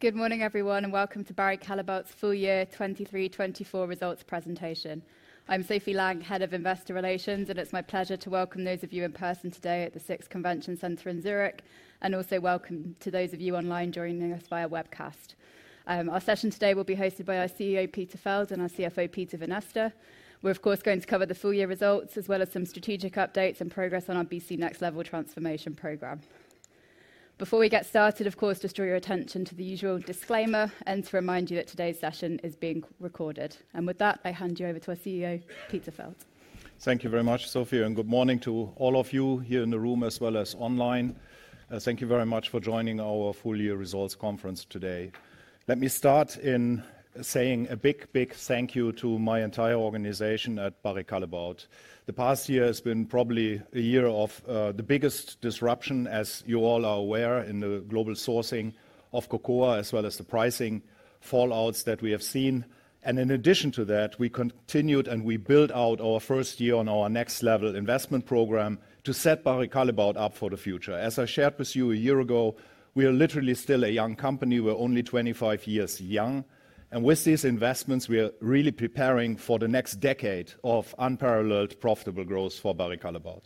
Good morning, everyone, and welcome to Barry Callebaut's full year 2023-2024 results presentation. I'm Sophie Lang, Head of Investor Relations, and it's my pleasure to welcome those of you in person today at the SIX ConventionPoint in Zurich, and also welcome to those of you online joining us via webcast. Our session today will be hosted by our CEO, Peter Feld, and our CFO, Peter Vanneste. We're, of course, going to cover the full year results, as well as some strategic updates and progress on our BC Next Level transformation program. Before we get started, of course, just draw your attention to the usual disclaimer and to remind you that today's session is being recorded, and with that, I hand you over to our CEO, Peter Feld. Thank you very much, Sophie, and good morning to all of you here in the room, as well as online. Thank you very much for joining our full year results conference today. Let me start in saying a big, big thank you to my entire organization at Barry Callebaut. The past year has been probably a year of the biggest disruption, as you all are aware, in the global sourcing of cocoa, as well as the pricing fallouts that we have seen. And in addition to that, we continued and we built out our first year on our Next Level investment program to set Barry Callebaut up for the future. As I shared with you a year ago, we are literally still a young company. We're only 25 years young. And with these investments, we are really preparing for the next decade of unparalleled profitable growth for Barry Callebaut.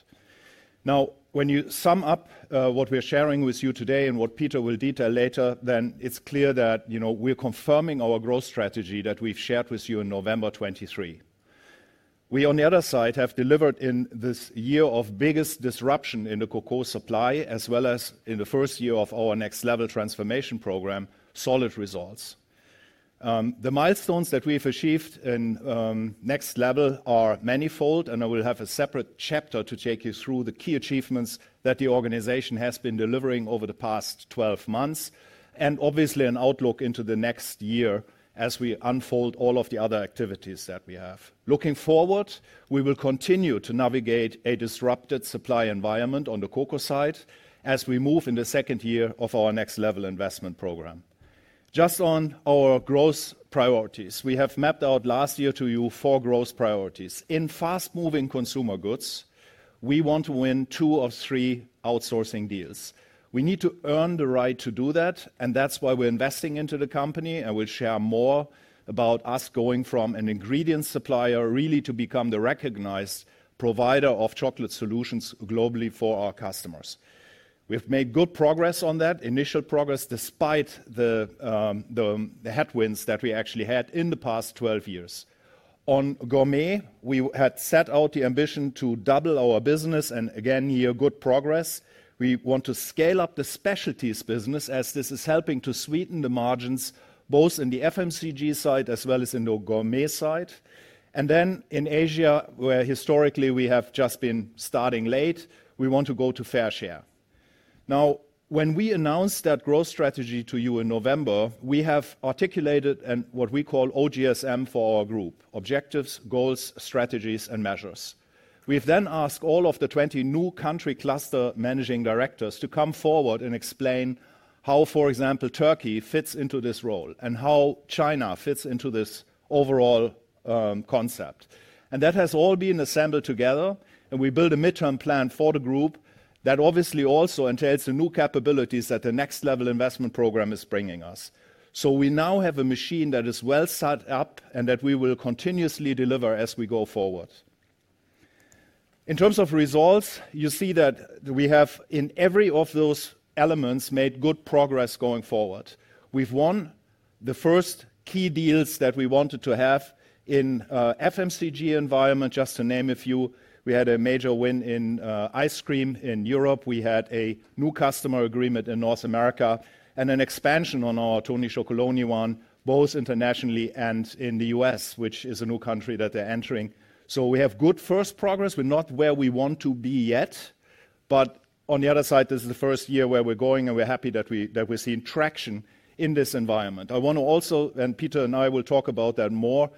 Now, when you sum up what we're sharing with you today and what Peter will detail later, then it's clear that we're confirming our growth strategy that we've shared with you in November 2023. We, on the other side, have delivered in this year of biggest disruption in the cocoa supply, as well as in the first year of our Next Level transformation program, solid results. The milestones that we've achieved in Next Level are manifold, and I will have a separate chapter to take you through the key achievements that the organization has been delivering over the past 12 months, and obviously an outlook into the next year as we unfold all of the other activities that we have. Looking forward, we will continue to navigate a disrupted supply environment on the cocoa side as we move in the second year of our Next Level investment program. Just on our growth priorities, we have mapped out last year to you four growth priorities. In fast-moving consumer goods, we want to win two of three outsourcing deals. We need to earn the right to do that, and that's why we're investing into the company, and we'll share more about us going from an ingredient supplier really to become the recognized provider of chocolate solutions globally for our customers. We've made good progress on that, initial progress, despite the headwinds that we actually had in the past 12 years. On gourmet, we had set out the ambition to double our business, and again, year, good progress. We want to scale up the specialties business as this is helping to sweeten the margins both in the FMCG side as well as in the gourmet side. Then in Asia, where historically we have just been starting late, we want to go to fair share. Now, when we announced that growth strategy to you in November, we have articulated what we call OGSM for our group: Objectives, Goals, Strategies, and Measures. We've then asked all of the 20 new country cluster managing directors to come forward and explain how, for example, Turkey fits into this role and how China fits into this overall concept. That has all been assembled together, and we built a midterm plan for the group that obviously also entails the new capabilities that the Next Level investment program is bringing us. We now have a machine that is well set up and that we will continuously deliver as we go forward. In terms of results, you see that we have in every of those elements made good progress going forward. We've won the first key deals that we wanted to have in the FMCG environment, just to name a few. We had a major win in ice cream in Europe. We had a new customer agreement in North America and an expansion on our Tony's Chocolonely one, both internationally and in the U.S., which is a new country that they're entering. So we have good first progress. We're not where we want to be yet, but on the other side, this is the first year where we're going, and we're happy that we're seeing traction in this environment. I want to also, and Peter and I will talk about that more,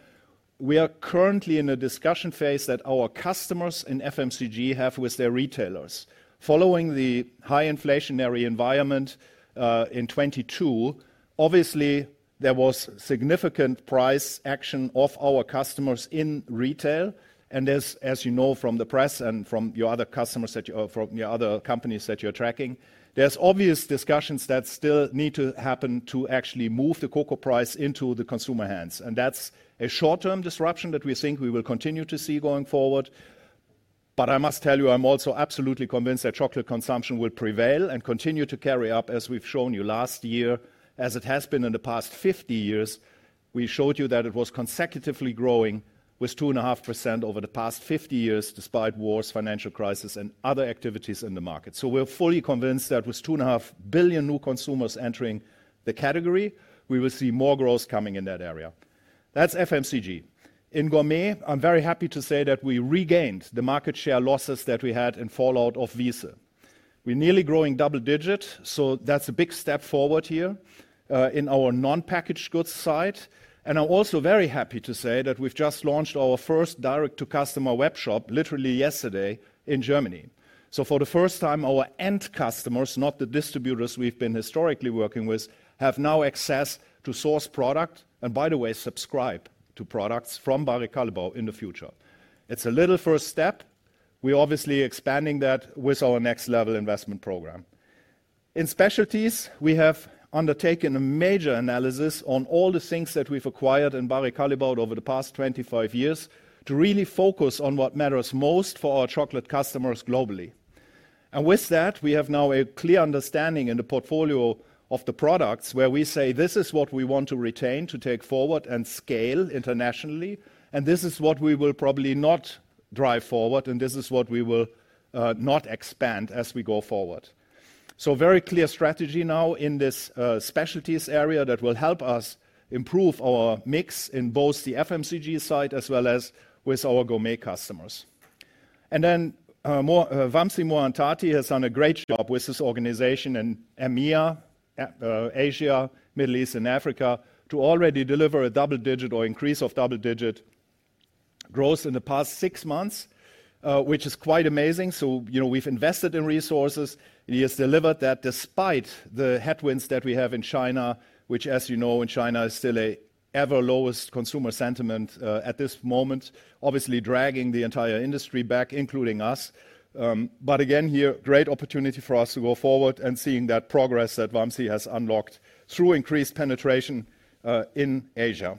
we are currently in a discussion phase that our customers in FMCG have with their retailers. Following the high inflationary environment in 2022, obviously there was significant price action of our customers in retail. As you know from the press and from your other customers that you're from your other companies that you're tracking, there's obvious discussions that still need to happen to actually move the cocoa price into the consumer hands. That's a short-term disruption that we think we will continue to see going forward. I must tell you, I'm also absolutely convinced that chocolate consumption will prevail and continue to carry up as we've shown you last year, as it has been in the past 50 years. We showed you that it was consecutively growing with 2.5% over the past 50 years, despite wars, financial crisis, and other activities in the market. We're fully convinced that with 2.5 billion new consumers entering the category, we will see more growth coming in that area. That's FMCG. In gourmet, I'm very happy to say that we regained the market share losses that we had in fallout of Wieze. We're nearly growing double digit, so that's a big step forward here in our non-packaged goods side. And I'm also very happy to say that we've just launched our first direct-to-customer webshop literally yesterday in Germany. So for the first time, our end customers, not the distributors we've been historically working with, have now access to source product and, by the way, subscribe to products from Barry Callebaut in the future. It's a little first step. We're obviously expanding that with our Next Level investment program. In specialties, we have undertaken a major analysis on all the things that we've acquired in Barry Callebaut over the past 25 years to really focus on what matters most for our chocolate customers globally. With that, we have now a clear understanding in the portfolio of the products where we say, this is what we want to retain, to take forward and scale internationally, and this is what we will probably not drive forward, and this is what we will not expand as we go forward. Very clear strategy now in this specialties area that will help us improve our mix in both the FMCG side as well as with our gourmet customers. Vamsi Mohan Thati has done a great job with this organization in EMEA, Asia, Middle East, and Africa to already deliver a double digit or increase of double digit growth in the past six months, which is quite amazing. We've invested in resources. He has delivered that despite the headwinds that we have in China, which, as you know, in China is still an ever lowest consumer sentiment at this moment, obviously dragging the entire industry back, including us. But again, here, great opportunity for us to go forward and seeing that progress that Vamsi has unlocked through increased penetration in Asia.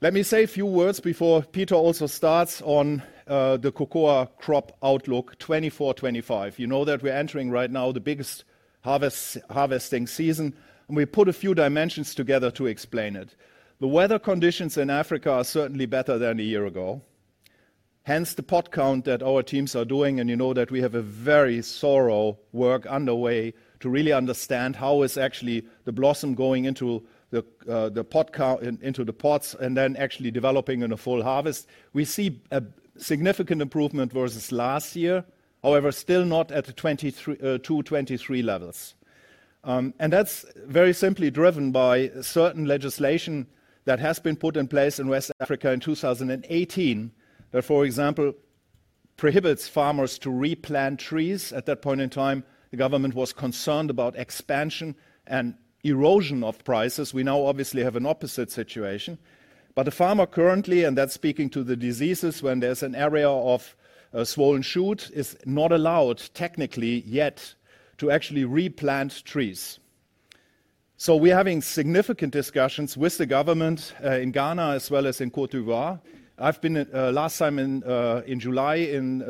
Let me say a few words before Peter also starts on the Cocoa Crop Outlook 24-25. You know that we're entering right now the biggest harvesting season, and we put a few dimensions together to explain it. The weather conditions in Africa are certainly better than a year ago. Hence the pod count that our teams are doing, and you know that we have a very thorough work underway to really understand how is actually the blossom going into the pods and then actually developing in a full harvest. We see a significant improvement versus last year, however, still not at the 22-23 levels, and that's very simply driven by certain legislation that has been put in place in West Africa in 2018 that, for example, prohibits farmers to replant trees. At that point in time, the government was concerned about expansion and erosion of prices. We now obviously have an opposite situation, but the farmer currently, and that's speaking to the diseases when there's an area of Swollen Shoot, is not allowed technically yet to actually replant trees, so we're having significant discussions with the government in Ghana as well as in Côte d'Ivoire. I've been last time in July in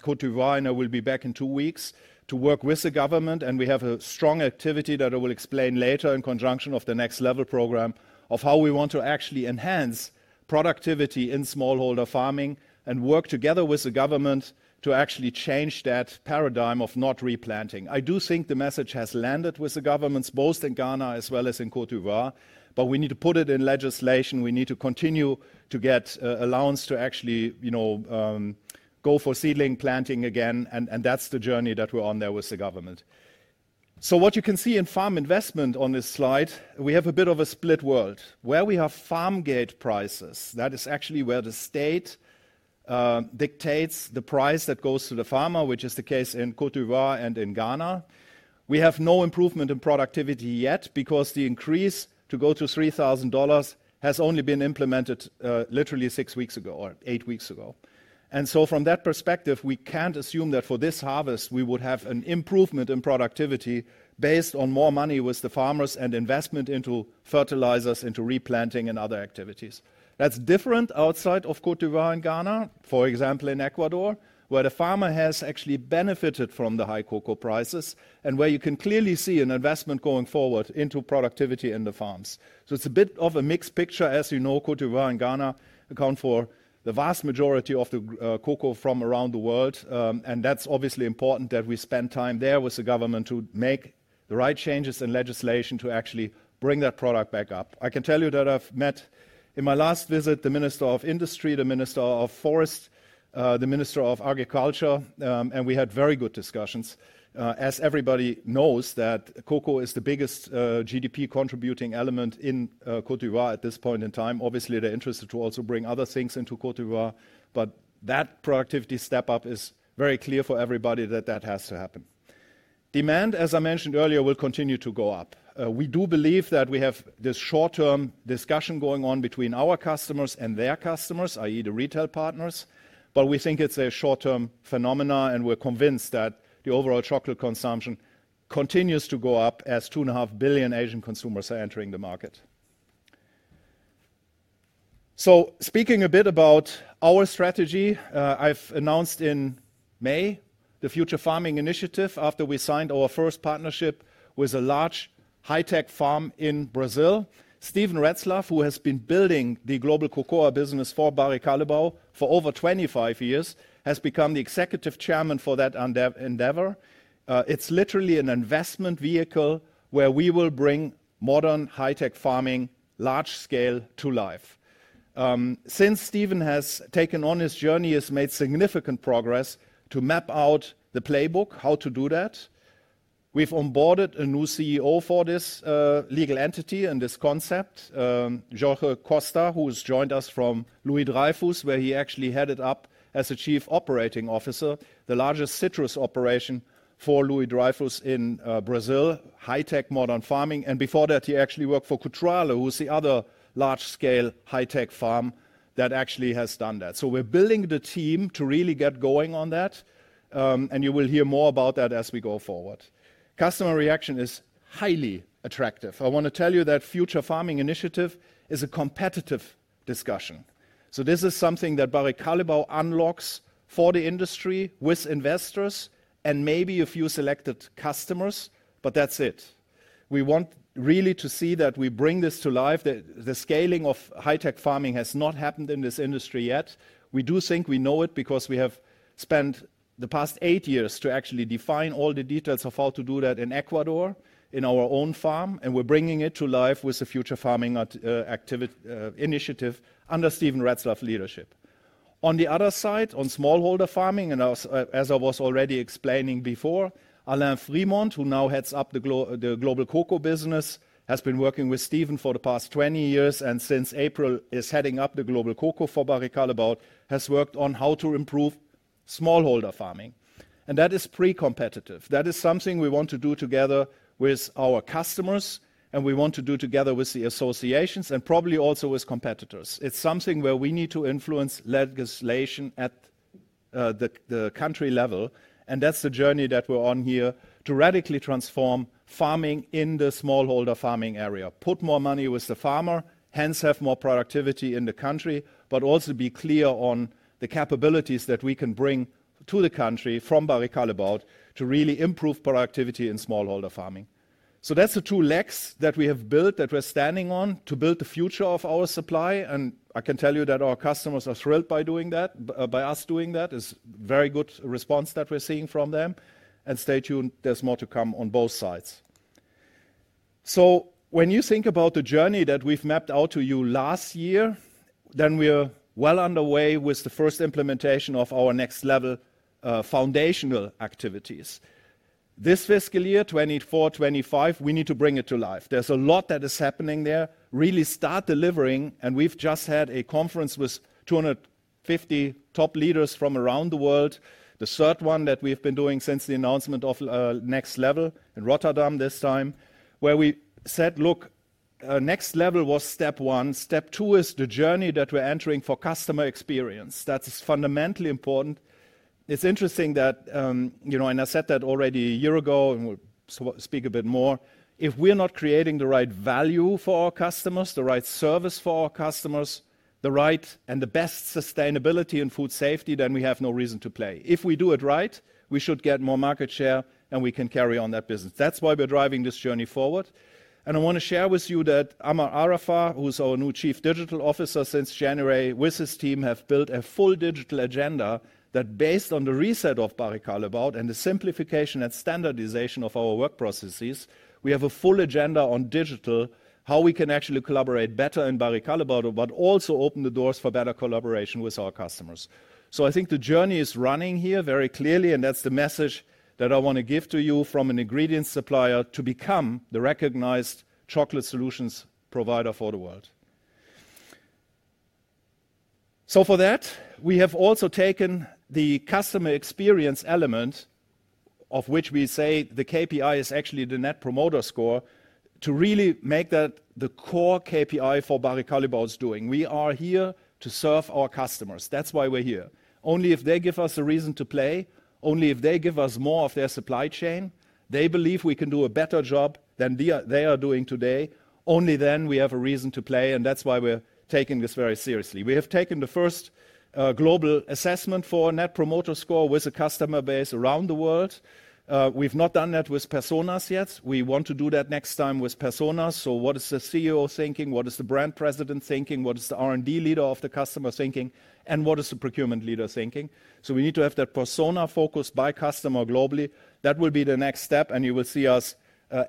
Côte d'Ivoire, and I will be back in two weeks to work with the government. And we have a strong activity that I will explain later in conjunction of the Next Level program of how we want to actually enhance productivity in smallholder farming and work together with the government to actually change that paradigm of not replanting. I do think the message has landed with the governments, both in Ghana as well as in Côte d'Ivoire, but we need to put it in legislation. We need to continue to get allowance to actually go for seedling planting again, and that's the journey that we're on there with the government. So what you can see in farm investment on this slide, we have a bit of a split world. Where we have farm gate prices, that is actually where the state dictates the price that goes to the farmer, which is the case in Côte d'Ivoire and in Ghana. We have no improvement in productivity yet because the increase to go to $3,000 has only been implemented literally six weeks ago or eight weeks ago. And so from that perspective, we can't assume that for this harvest, we would have an improvement in productivity based on more money with the farmers and investment into fertilizers, into replanting, and other activities. That's different outside of Côte d'Ivoire in Ghana, for example, in Ecuador, where the farmer has actually benefited from the high cocoa prices and where you can clearly see an investment going forward into productivity in the farms. So it's a bit of a mixed picture. As you know, Côte d'Ivoire and Ghana accounts for the vast majority of the cocoa from around the world, and that's obviously important that we spend time there with the government to make the right changes in legislation to actually bring that product back up. I can tell you that I've met in my last visit the Minister of Industry, the Minister of Forest, the Minister of Agriculture, and we had very good discussions. As everybody knows, that cocoa is the biggest GDP contributing element in Côte d'Ivoire at this point in time. Obviously, they're interested to also bring other things into Côte d'Ivoire, but that productivity step up is very clear for everybody that that has to happen. Demand, as I mentioned earlier, will continue to go up. We do believe that we have this short-term discussion going on between our customers and their customers, i.e., the retail partners, but we think it's a short-term phenomenon, and we're convinced that the overall chocolate consumption continues to go up as 2.5 billion Asian consumers are entering the market, so speaking a bit about our strategy, I've announced in May the Future Farming Initiative after we signed our first partnership with a large high-tech farm in Brazil. Steven Retzlaff, who has been building the global cocoa business for Barry Callebaut for over 25 years, has become the Executive Chairman for that endeavor. It's literally an investment vehicle where we will bring modern high-tech farming large scale to life. Since Steven has taken on this journey, he has made significant progress to map out the playbook, how to do that. We've onboarded a new CEO for this legal entity and this concept, Jorge Costa, who has joined us from Louis Dreyfus, where he actually headed up as a Chief Operating Officer the largest citrus operation for Louis Dreyfus in Brazil, high-tech modern farming. And before that, he actually worked for Cutrale, who's the other large-scale high-tech farm that actually has done that. So we're building the team to really get going on that, and you will hear more about that as we go forward. Customer reaction is highly attractive. I want to tell you that Future Farming Initiative is a competitive discussion. So this is something that Barry Callebaut unlocks for the industry with investors and maybe a few selected customers, but that's it. We want really to see that we bring this to life. The scaling of high-tech farming has not happened in this industry yet. We do think we know it because we have spent the past eight years to actually define all the details of how to do that in Ecuador in our own farm, and we're bringing it to life with the Future Farming Initiative under Steven Retzlaff's leadership. On the other side, on smallholder farming, and as I was already explaining before, Alain Freymond, who now heads up the global cocoa business, has been working with Steven for the past 20 years and since April is heading up the global cocoa for Barry Callebaut, has worked on how to improve smallholder farming, and that is pre-competitive. That is something we want to do together with our customers, and we want to do together with the associations and probably also with competitors. It's something where we need to influence legislation at the country level, and that's the journey that we're on here to radically transform farming in the smallholder farming area, put more money with the farmer, hence have more productivity in the country, but also be clear on the capabilities that we can bring to the country from Barry Callebaut to really improve productivity in smallholder farming. So that's the two legs that we have built that we're standing on to build the future of our supply. And I can tell you that our customers are thrilled by doing that, by us doing that. It's a very good response that we're seeing from them. And stay tuned. There's more to come on both sides. So when you think about the journey that we've mapped out to you last year, then we're well underway with the first implementation of our Next Level foundational activities. This fiscal year 2024-25, we need to bring it to life. There's a lot that is happening there. Really start delivering, and we've just had a conference with 250 top leaders from around the world. The third one that we've been doing since the announcement of Next Level in Rotterdam this time, where we said, look, Next Level was step one. Step two is the journey that we're entering for customer experience. That's fundamentally important. It's interesting that, and I said that already a year ago, and we'll speak a bit more. If we're not creating the right value for our customers, the right service for our customers, the right and the best sustainability and food safety, then we have no reason to play. If we do it right, we should get more market share and we can carry on that business. That's why we're driving this journey forward. And I want to share with you that Amr Arafa, who's our new Chief Digital Officer since January, with his team have built a full digital agenda that, based on the reset of Barry Callebaut and the simplification and standardization of our work processes, we have a full agenda on digital, how we can actually collaborate better in Barry Callebaut, but also open the doors for better collaboration with our customers. So I think the journey is running here very clearly, and that's the message that I want to give to you from an ingredient supplier to become the recognized chocolate solutions provider for the world. So for that, we have also taken the customer experience element, of which we say the KPI is actually the Net Promoter Score, to really make that the core KPI for Barry Callebaut's doing. We are here to serve our customers. That's why we're here. Only if they give us a reason to play, only if they give us more of their supply chain, they believe we can do a better job than they are doing today, only then we have a reason to play, and that's why we're taking this very seriously. We have taken the first global assessment for Net Promoter Score with a customer base around the world. We've not done that with personas yet. We want to do that next time with personas. So what is the CEO thinking? What is the brand president thinking? What is the R&D leader of the customer thinking? And what is the procurement leader thinking? So we need to have that persona focused by customer globally. That will be the next step, and you will see us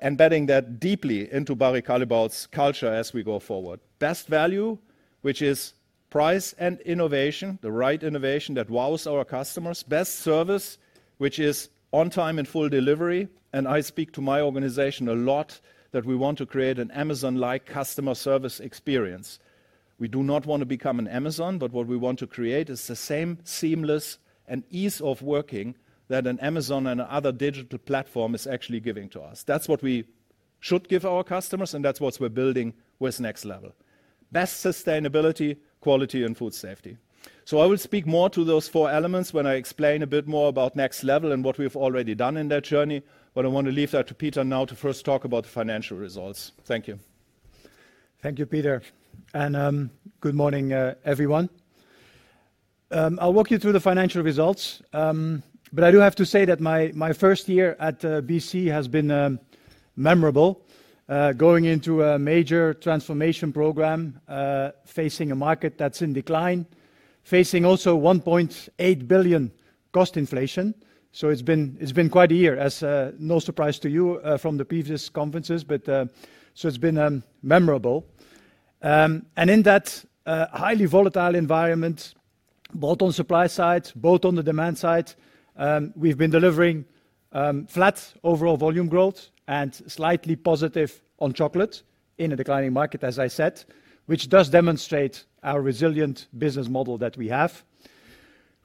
embedding that deeply into Barry Callebaut's culture as we go forward. Best value, which is price and innovation, the right innovation that wows our customers. Best service, which is on time and full delivery. And I speak to my organization a lot that we want to create an Amazon-like customer service experience. We do not want to become an Amazon, but what we want to create is the same seamless and ease of working that an Amazon and another digital platform is actually giving to us. That's what we should give our customers, and that's what we're building with Next Level. Best sustainability, quality, and food safety. So I will speak more to those four elements when I explain a bit more about Next Level and what we've already done in that journey, but I want to leave that to Peter now to first talk about the financial results. Thank you. Thank you, Peter. Good morning, everyone. I'll walk you through the financial results, but I do have to say that my first year at BC has been memorable, going into a major transformation program, facing a market that's in decline, facing also 1.8 billion cost inflation. So it's been quite a year, as no surprise to you from the previous conferences, but so it's been memorable. And in that highly volatile environment, both on supply side, both on the demand side, we've been delivering flat overall volume growth and slightly positive on chocolate in a declining market, as I said, which does demonstrate our resilient business model that we have.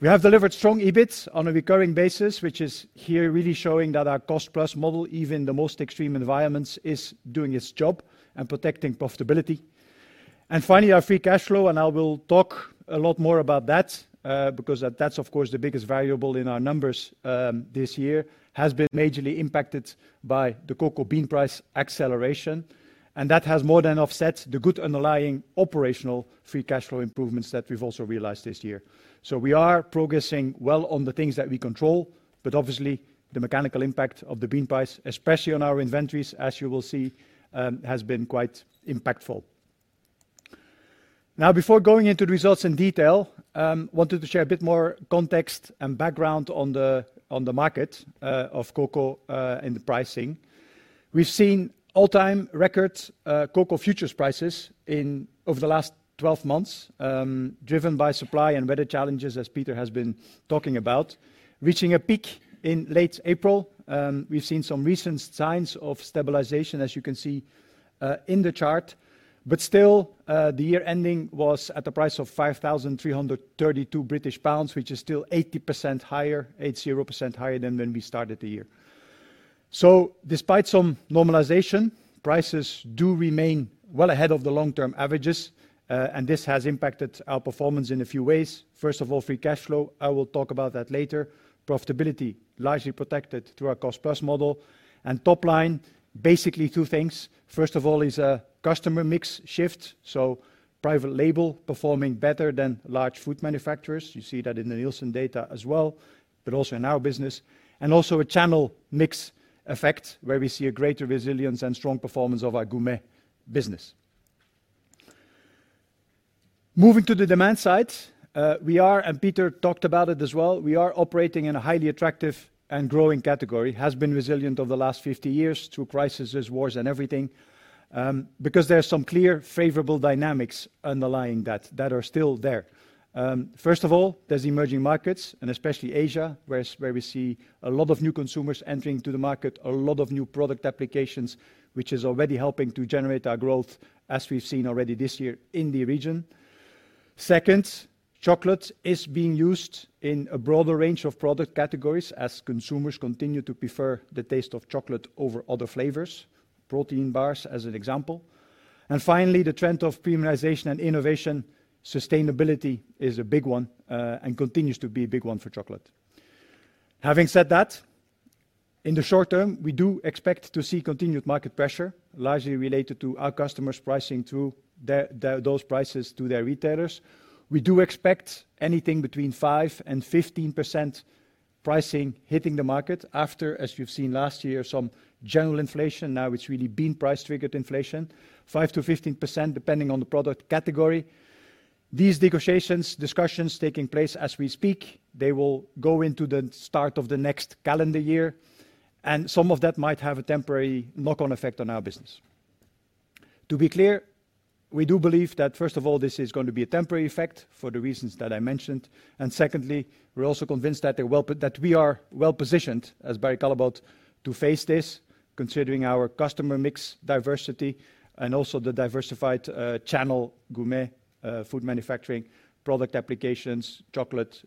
We have delivered strong EBIT on a recurring basis, which is here really showing that our cost-plus model, even in the most extreme environments, is doing its job and protecting profitability. And finally, our free cash flow, and I will talk a lot more about that because that's, of course, the biggest variable in our numbers this year, has been majorly impacted by the cocoa bean price acceleration. That has more than offset the good underlying operational free cash flow improvements that we've also realized this year. So we are progressing well on the things that we control, but obviously, the mechanical impact of the bean price, especially on our inventories, as you will see, has been quite impactful. Now, before going into the results in detail, I wanted to share a bit more context and background on the market of cocoa and the pricing. We've seen all-time record cocoa futures prices over the last 12 months, driven by supply and weather challenges, as Peter has been talking about, reaching a peak in late April. We've seen some recent signs of stabilization, as you can see in the chart, but still, the year ending was at a price of 5,332 British pounds, which is still 80% higher, 80% higher than when we started the year. So despite some normalization, prices do remain well ahead of the long-term averages, and this has impacted our performance in a few ways. First of all, free cash flow. I will talk about that later. Profitability, largely protected through our cost-plus model, and top line, basically two things. First of all, is a customer mix shift, so private label performing better than large food manufacturers. You see that in the Nielsen data as well, but also in our business, and also a channel mix effect where we see a greater resilience and strong performance of our gourmet business. Moving to the demand side, we are, and Peter talked about it as well, we are operating in a highly attractive and growing category, has been resilient over the last 50 years through crises, wars, and everything, because there are some clear favorable dynamics underlying that that are still there. First of all, there's emerging markets, and especially Asia, where we see a lot of new consumers entering to the market, a lot of new product applications, which is already helping to generate our growth, as we've seen already this year in the region. Second, chocolate is being used in a broader range of product categories as consumers continue to prefer the taste of chocolate over other flavors, protein bars as an example, and finally, the trend of premiumization and innovation, sustainability is a big one and continues to be a big one for chocolate. Having said that, in the short term, we do expect to see continued market pressure, largely related to our customers pricing those prices to their retailers. We do expect anything between 5% and 15% pricing hitting the market after, as we've seen last year, some general inflation, now it's really bean price triggered inflation, 5% to 15% depending on the product category. These negotiations, discussions taking place as we speak, they will go into the start of the next calendar year, and some of that might have a temporary knock-on effect on our business. To be clear, we do believe that, first of all, this is going to be a temporary effect for the reasons that I mentioned. And secondly, we're also convinced that we are well positioned as Barry Callebaut to face this, considering our customer mix diversity and also the diversified channel gourmet food manufacturing, product applications, chocolate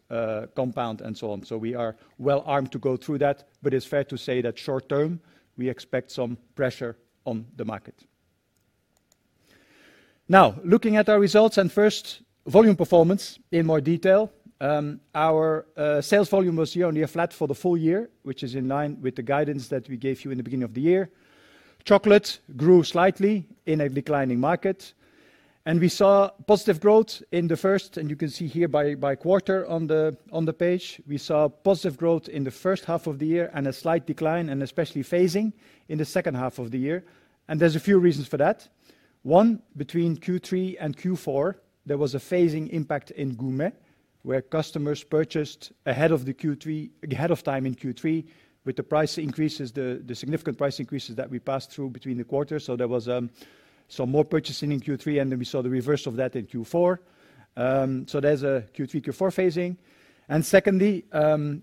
compound, and so on. So we are well armed to go through that, but it's fair to say that short term, we expect some pressure on the market. Now, looking at our results and FY volume performance in more detail, our sales volume was year-on-year flat for the full year, which is in line with the guidance that we gave you in the beginning of the year. Chocolate grew slightly in a declining market, and we saw positive growth in the first, and you can see here by quarter on the page, we saw positive growth in the first half of the year and a slight decline, and especially phasing in the second half of the year, and there's a few reasons for that. One, between Q3 and Q4, there was a phasing impact in Gourmet, where customers purchased ahead of the Q3, ahead of time in Q3, with the price increases, the significant price increases that we passed through between the quarters. So there was some more purchasing in Q3, and then we saw the reverse of that in Q4. So there's a Q3, Q4 phasing. And secondly,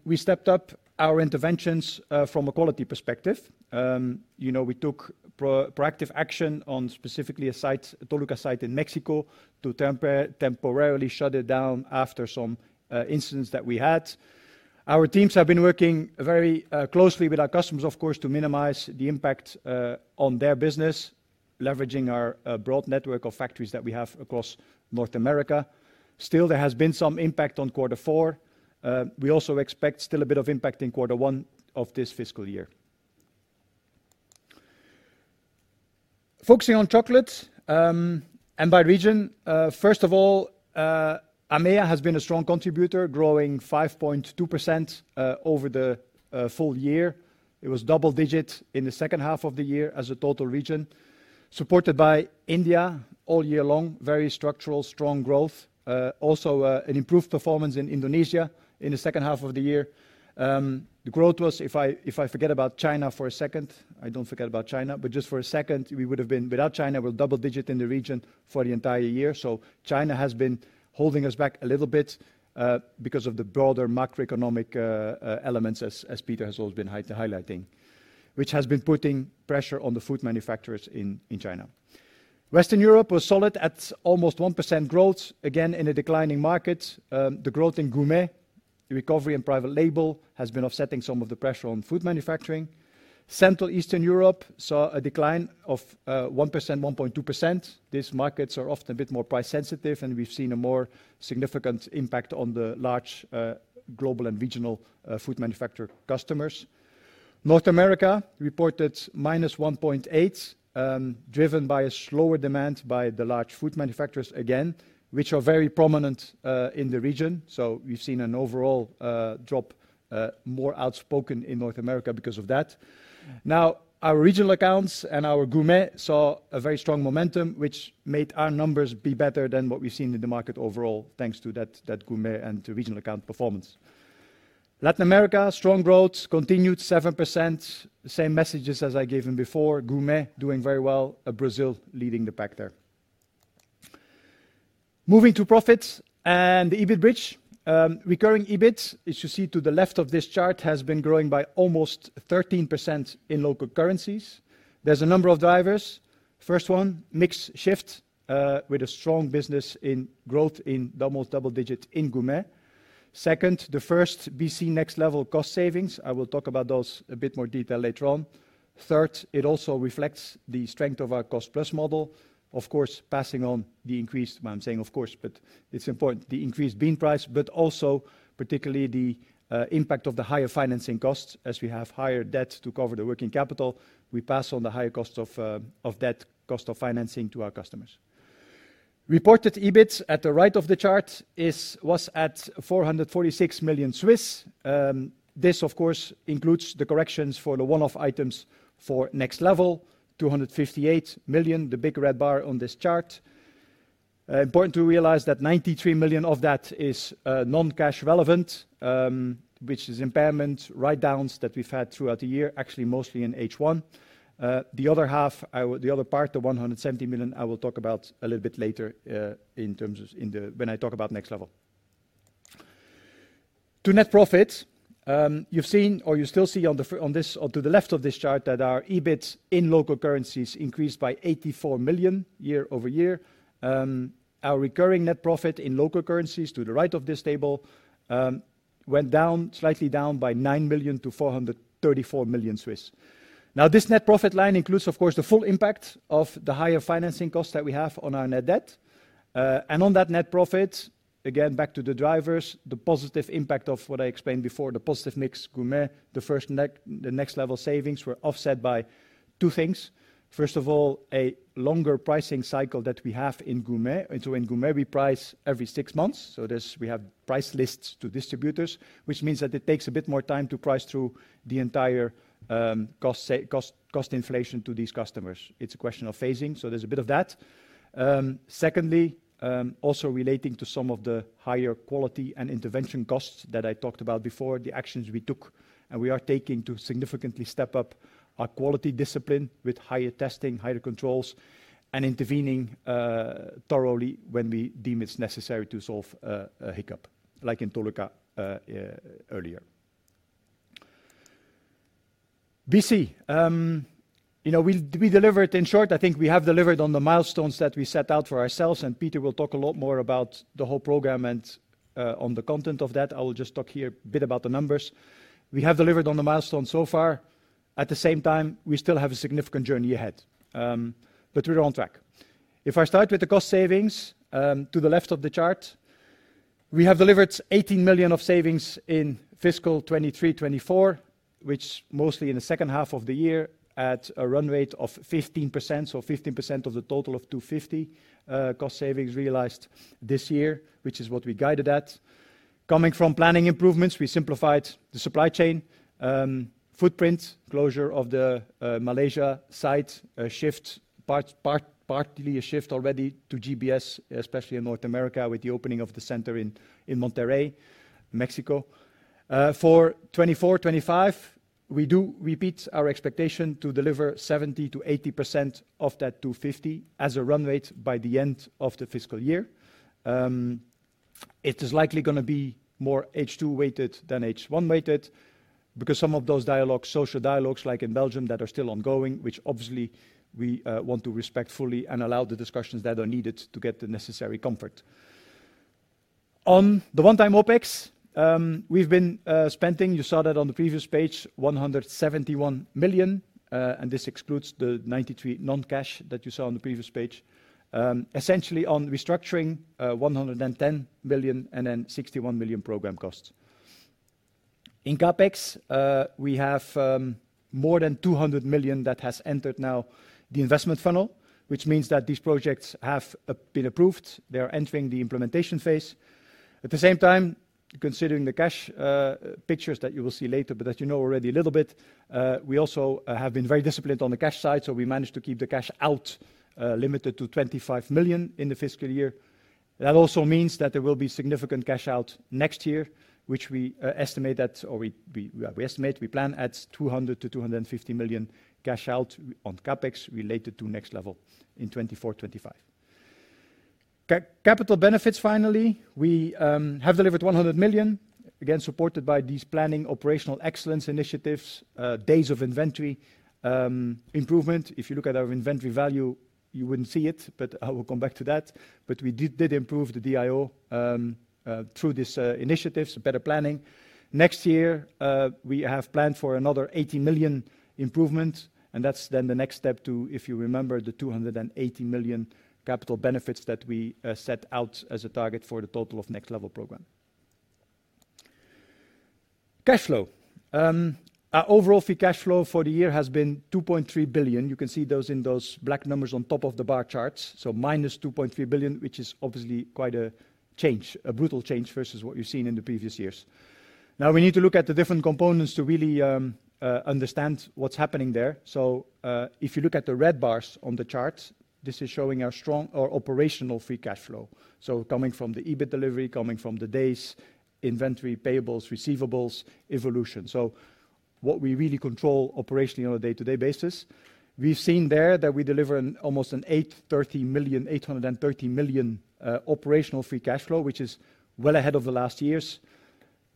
we stepped up our interventions from a quality perspective. We took proactive action on specifically a site, Toluca site in Mexico, to temporarily shut it down after some incidents that we had. Our teams have been working very closely with our customers, of course, to minimize the impact on their business, leveraging our broad network of factories that we have across North America. Still, there has been some impact on quarter four. We also expect still a bit of impact in quarter one of this fiscal year. Focusing on chocolate and by region, first of all, EMEA has been a strong contributor, growing 5.2% over the full year. It was double-digit in the second half of the year as a total region, supported by India all year long, very structural, strong growth. Also, an improved performance in Indonesia in the second half of the year. The growth was, if I forget about China for a second, I don't forget about China, but just for a second, we would have been without China, we're double-digit in the region for the entire year. So China has been holding us back a little bit because of the broader macroeconomic elements, as Peter has always been highlighting, which has been putting pressure on the food manufacturers in China. Western Europe was solid at almost 1% growth, again in a declining market. The growth in gourmet, the recovery in private label has been offsetting some of the pressure on food manufacturing. Central Eastern Europe saw a decline of 1%-1.2%. These markets are often a bit more price-sensitive, and we've seen a more significant impact on the large global and regional food manufacturer customers. North America reported -1.8%, driven by a slower demand by the large food manufacturers again, which are very prominent in the region. So we've seen an overall drop more outspoken in North America because of that. Now, our regional accounts and our gourmet saw a very strong momentum, which made our numbers be better than what we've seen in the market overall, thanks to that gourmet and to regional account performance. Latin America, strong growth, continued 7%, same messages as I gave him before, Gourmet doing very well, Brazil leading the pack there. Moving to profits and the EBIT bridge, recurring EBIT, as you see to the left of this chart, has been growing by almost 13% in local currencies. There's a number of drivers. First one, mix shift with a strong business in growth in almost double-digit in Gourmet. Second, the first BC Next Level cost savings. I will talk about those a bit more detail later on. Third, it also reflects the strength of our cost-plus model, of course, passing on the increased, I'm saying, of course, but it's important, the increased bean price, but also particularly the impact of the higher financing costs. As we have higher debt to cover the working capital, we pass on the higher cost of debt, cost of financing to our customers. Reported EBIT at the right of the chart was 446 million. This, of course, includes the corrections for the one-off items for Next Level, 258 million, the big red bar on this chart. Important to realize that 93 million of that is non-cash relevant, which is impairments, write-downs that we've had throughout the year, actually mostly in H1. The other half, the other part, the 170 million, I will talk about a little bit later in terms of when I talk about Next Level. To net profits, you've seen or you still see on this to the left of this chart that our EBIT in local currencies increased by 84 million year over year. Our recurring net profit in local currencies to the right of this table went down, slightly down by 9 million to 434 million. Now, this net profit line includes, of course, the full impact of the higher financing costs that we have on our net debt. And on that net profit, again, back to the drivers, the positive impact of what I explained before, the positive mix Gourmet, the first, the Next Level savings were offset by two things. First of all, a longer pricing cycle that we have in Gourmet. So in Gourmet, we price every six months. So we have price lists to distributors, which means that it takes a bit more time to price through the entire cost inflation to these customers. It's a question of phasing, so there's a bit of that. Secondly, also relating to some of the higher quality and intervention costs that I talked about before, the actions we took and we are taking to significantly step up our quality discipline with higher testing, higher controls, and intervening thoroughly when we deem it's necessary to solve a hiccup, like in Toluca earlier. BC, we delivered. In short, I think we have delivered on the milestones that we set out for ourselves, and Peter will talk a lot more about the whole program and on the content of that. I will just talk here a bit about the numbers. We have delivered on the milestones so far. At the same time, we still have a significant journey ahead, but we're on track. If I start with the cost savings, to the left of the chart, we have delivered 18 million of savings in fiscal 2023-2024, which mostly in the second half of the year at a run rate of 15%, so 15% of the total of 250 million cost savings realized this year, which is what we guided at. Coming from planning improvements, we simplified the supply chain, footprint, closure of the Malaysia site shift, partly a shift already to GBS, especially in North America with the opening of the center in Monterrey, Mexico. For 2024-2025, we do repeat our expectation to deliver 70%-80% of that 250 as a run rate by the end of the fiscal year. It is likely going to be more H2-weighted than H1-weighted because some of those dialogs, social dialogues like in Belgium that are still ongoing, which obviously we want to respect fully and allow the discussions that are needed to get the necessary comfort. On the one-time OpEx, we've been spending, you saw that on the previous page, 171 million, and this excludes the 93 million non-cash that you saw on the previous page, essentially on restructuring 110 million and then 61 million program costs. In CapEx, we have more than 200 million that has entered now the investment funnel, which means that these projects have been approved. They are entering the implementation phase. At the same time, considering the cash pictures that you will see later, but that you know already a little bit, we also have been very disciplined on the cash side, so we managed to keep the cash out limited to 25 million in the fiscal year. That also means that there will be significant cash out next year, which we estimate that, or we estimate, we plan at 200 to 250 million cash out on CapEx related to Next Level in 2024-25. Capital benefits, finally, we have delivered 100 million, again supported by these planning operational excellence initiatives, days of inventory improvement. If you look at our inventory value, you wouldn't see it, but I will come back to that. But we did improve the DIO through these initiatives, better planning. Next year, we have planned for another 80 million improvements, and that's then the next step to, if you remember, the 280 million capital benefits that we set out as a target for the total of Next Level program. Cash flow, our overall free cash flow for the year has been 2.3 billion. You can see those in those black numbers on top of the bar charts, so -2.3 billion, which is obviously quite a change, a brutal change versus what you've seen in the previous years. Now, we need to look at the different components to really understand what's happening there. If you look at the red bars on the chart, this is showing our strong operational free cash flow, so coming from the EBIT delivery, coming from the days inventory, payables, receivables evolution. What we really control operationally on a day-to-day basis. We've seen there that we deliver almost 830 million operational free cash flow, which is well ahead of the last years.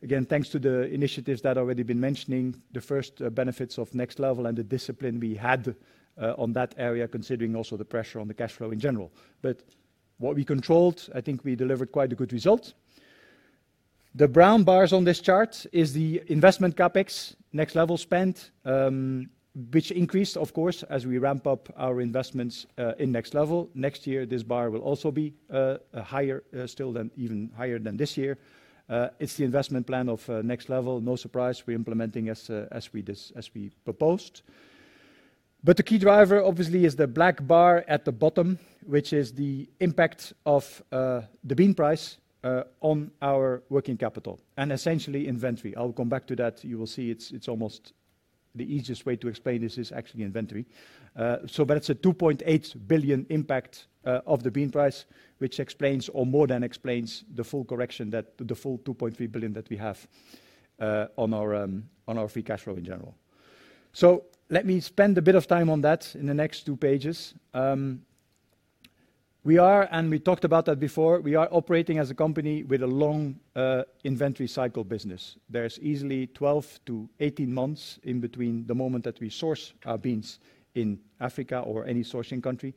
Again, thanks to the initiatives that have already been mentioning, the first benefits of Next Level and the discipline we had on that area, considering also the pressure on the cash flow in general. But what we controlled, I think we delivered quite a good result. The brown bars on this chart is the investment CapEx, Next Level spend, which increased, of course, as we ramp up our investments in Next Level. Next year, this bar will also be higher still than even higher than this year. It's the investment plan of Next Level. No surprise, we're implementing as we proposed. But the key driver, obviously, is the black bar at the bottom, which is the impact of the bean price on our working capital and essentially inventory. I'll come back to that. You will see it's almost the easiest way to explain this is actually inventory. So that's a 2.8 billion impact of the bean price, which explains or more than explains the full correction, the full 2.3 billion that we have on our free cash flow in general. So let me spend a bit of time on that in the next two pages. We are, and we talked about that before, we are operating as a company with a long inventory cycle business. There's easily 12-18 months in between the moment that we source our beans in Africa or any sourcing country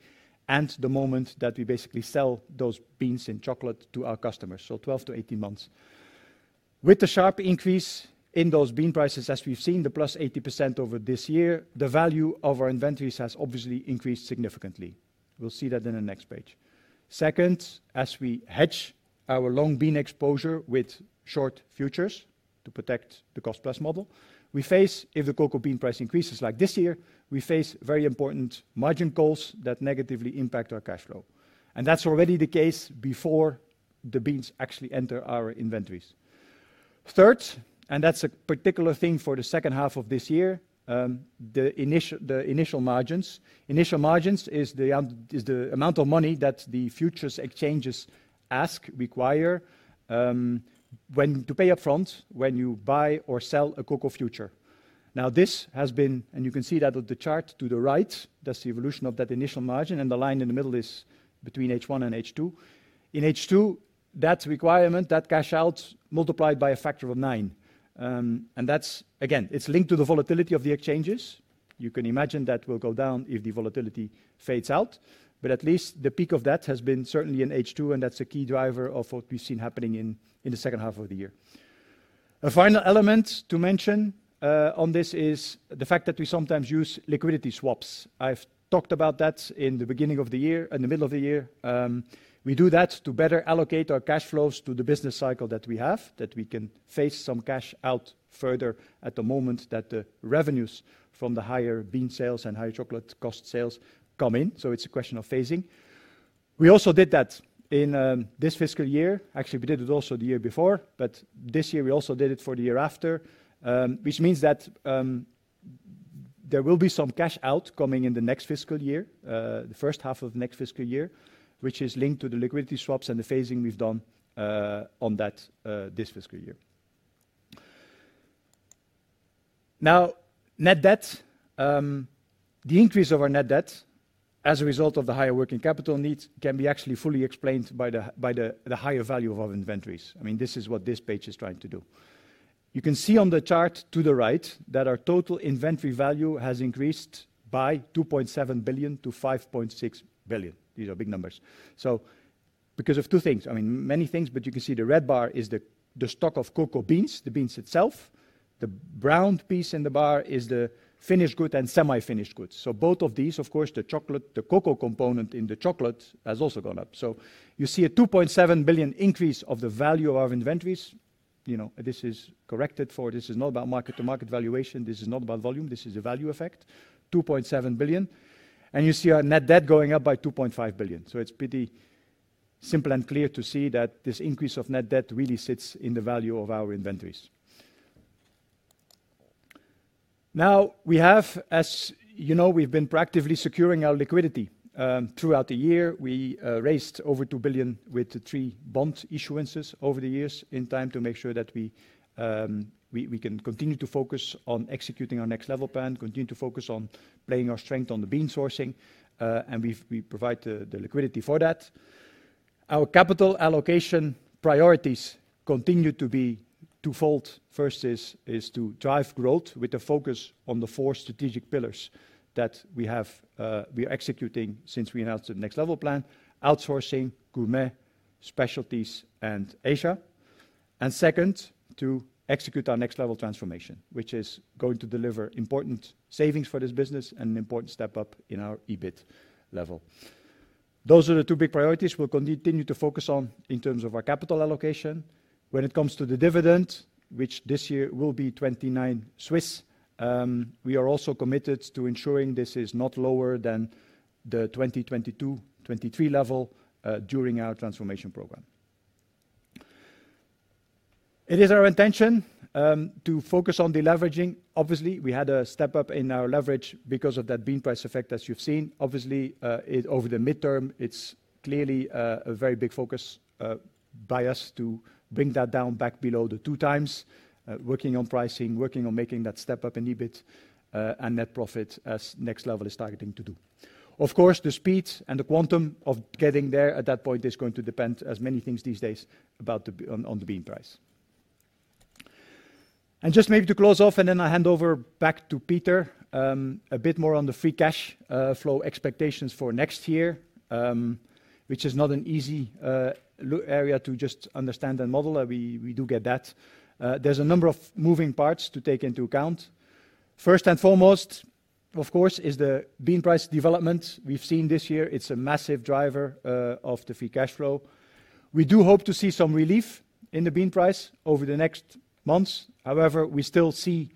and the moment that we basically sell those beans in chocolate to our customers. So 12 to 18 months. With the sharp increase in those bean prices, as we've seen, the +80% over this year, the value of our inventories has obviously increased significantly. We'll see that in the next page. Second, as we hedge our long bean exposure with short futures to protect the cost-plus model, we face, if the cocoa bean price increases like this year, we face very important margin calls that negatively impact our cash flow. And that's already the case before the beans actually enter our inventories. Third, and that's a particular thing for the second half of this year, the initial margins. Initial margins is the amount of money that the futures exchanges ask, require to pay upfront when you buy or sell a cocoa future. Now, this has been, and you can see that on the chart to the right. That's the evolution of that initial margin, and the line in the middle is between H1 and H2. In H2, that requirement, that cash out, multiplied by a factor of nine, and that's, again, it's linked to the volatility of the exchanges. You can imagine that will go down if the volatility fades out, but at least the peak of that has been certainly in H2, and that's a key driver of what we've seen happening in the second half of the year. A final element to mention on this is the fact that we sometimes use liquidity swaps. I've talked about that in the beginning of the year, in the middle of the year. We do that to better allocate our cash flows to the business cycle that we have, that we can phase some cash out further at the moment that the revenues from the higher bean sales and higher chocolate cost sales come in. So it's a question of phasing. We also did that in this fiscal year. Actually, we did it also the year before, but this year we also did it for the year after, which means that there will be some cash out coming in the next fiscal year, the first half of the next fiscal year, which is linked to the liquidity swaps and the phasing we've done on that this fiscal year. Now, net debt, the increase of our net debt as a result of the higher working capital needs can be actually fully explained by the higher value of our inventories. I mean, this is what this page is trying to do. You can see on the chart to the right that our total inventory value has increased by 2.7 billion to 5.6 billion. These are big numbers. So because of two things, I mean, many things, but you can see the red bar is the stock of cocoa beans, the beans itself. The brown piece in the bar is the finished good and semi-finished goods. So both of these, of course, the chocolate, the cocoa component in the chocolate has also gone up. So you see a 2.7 billion increase of the value of our inventories. This is corrected for, this is not about mark-to-market valuation. This is not about volume. This is a value effect, 2.7 billion, and you see our net debt going up by 2.5 billion. It's pretty simple and clear to see that this increase of net debt really sits in the value of our inventories. Now, we have, as you know, we've been proactively securing our liquidity throughout the year. We raised over 2 billion with three bond issuances over the years in time to make sure that we can continue to focus on executing our Next Level plan, continue to focus on playing our strength on the bean sourcing, and we provide the liquidity for that. Our capital allocation priorities continue to be twofold. First is to drive growth with a focus on the four strategic pillars that we are executing since we announced the Next Level plan, outsourcing, gourmet, specialties, and Asia. And second, to execute our Next Level transformation, which is going to deliver important savings for this business and an important step up in our EBIT level. Those are the two big priorities we'll continue to focus on in terms of our capital allocation. When it comes to the dividend, which this year will be 29, we are also committed to ensuring this is not lower than the 2022-2023 level during our transformation program. It is our intention to focus on the leveraging. Obviously, we had a step up in our leverage because of that bean price effect, as you've seen. Obviously, over the midterm, it's clearly a very big focus by us to bring that down back below the two times, working on pricing, working on making that step up in EBIT and net profit as Next Level is targeting to do. Of course, the speed and the quantum of getting there at that point is going to depend, as many things these days, on the bean price. Just maybe to close off, and then I hand over back to Peter a bit more on the free cash flow expectations for next year, which is not an easy area to just understand and model. We do get that. There's a number of moving parts to take into account. First and foremost, of course, is the bean price development we've seen this year. It's a massive driver of the free cash flow. We do hope to see some relief in the bean price over the next months. However, we still see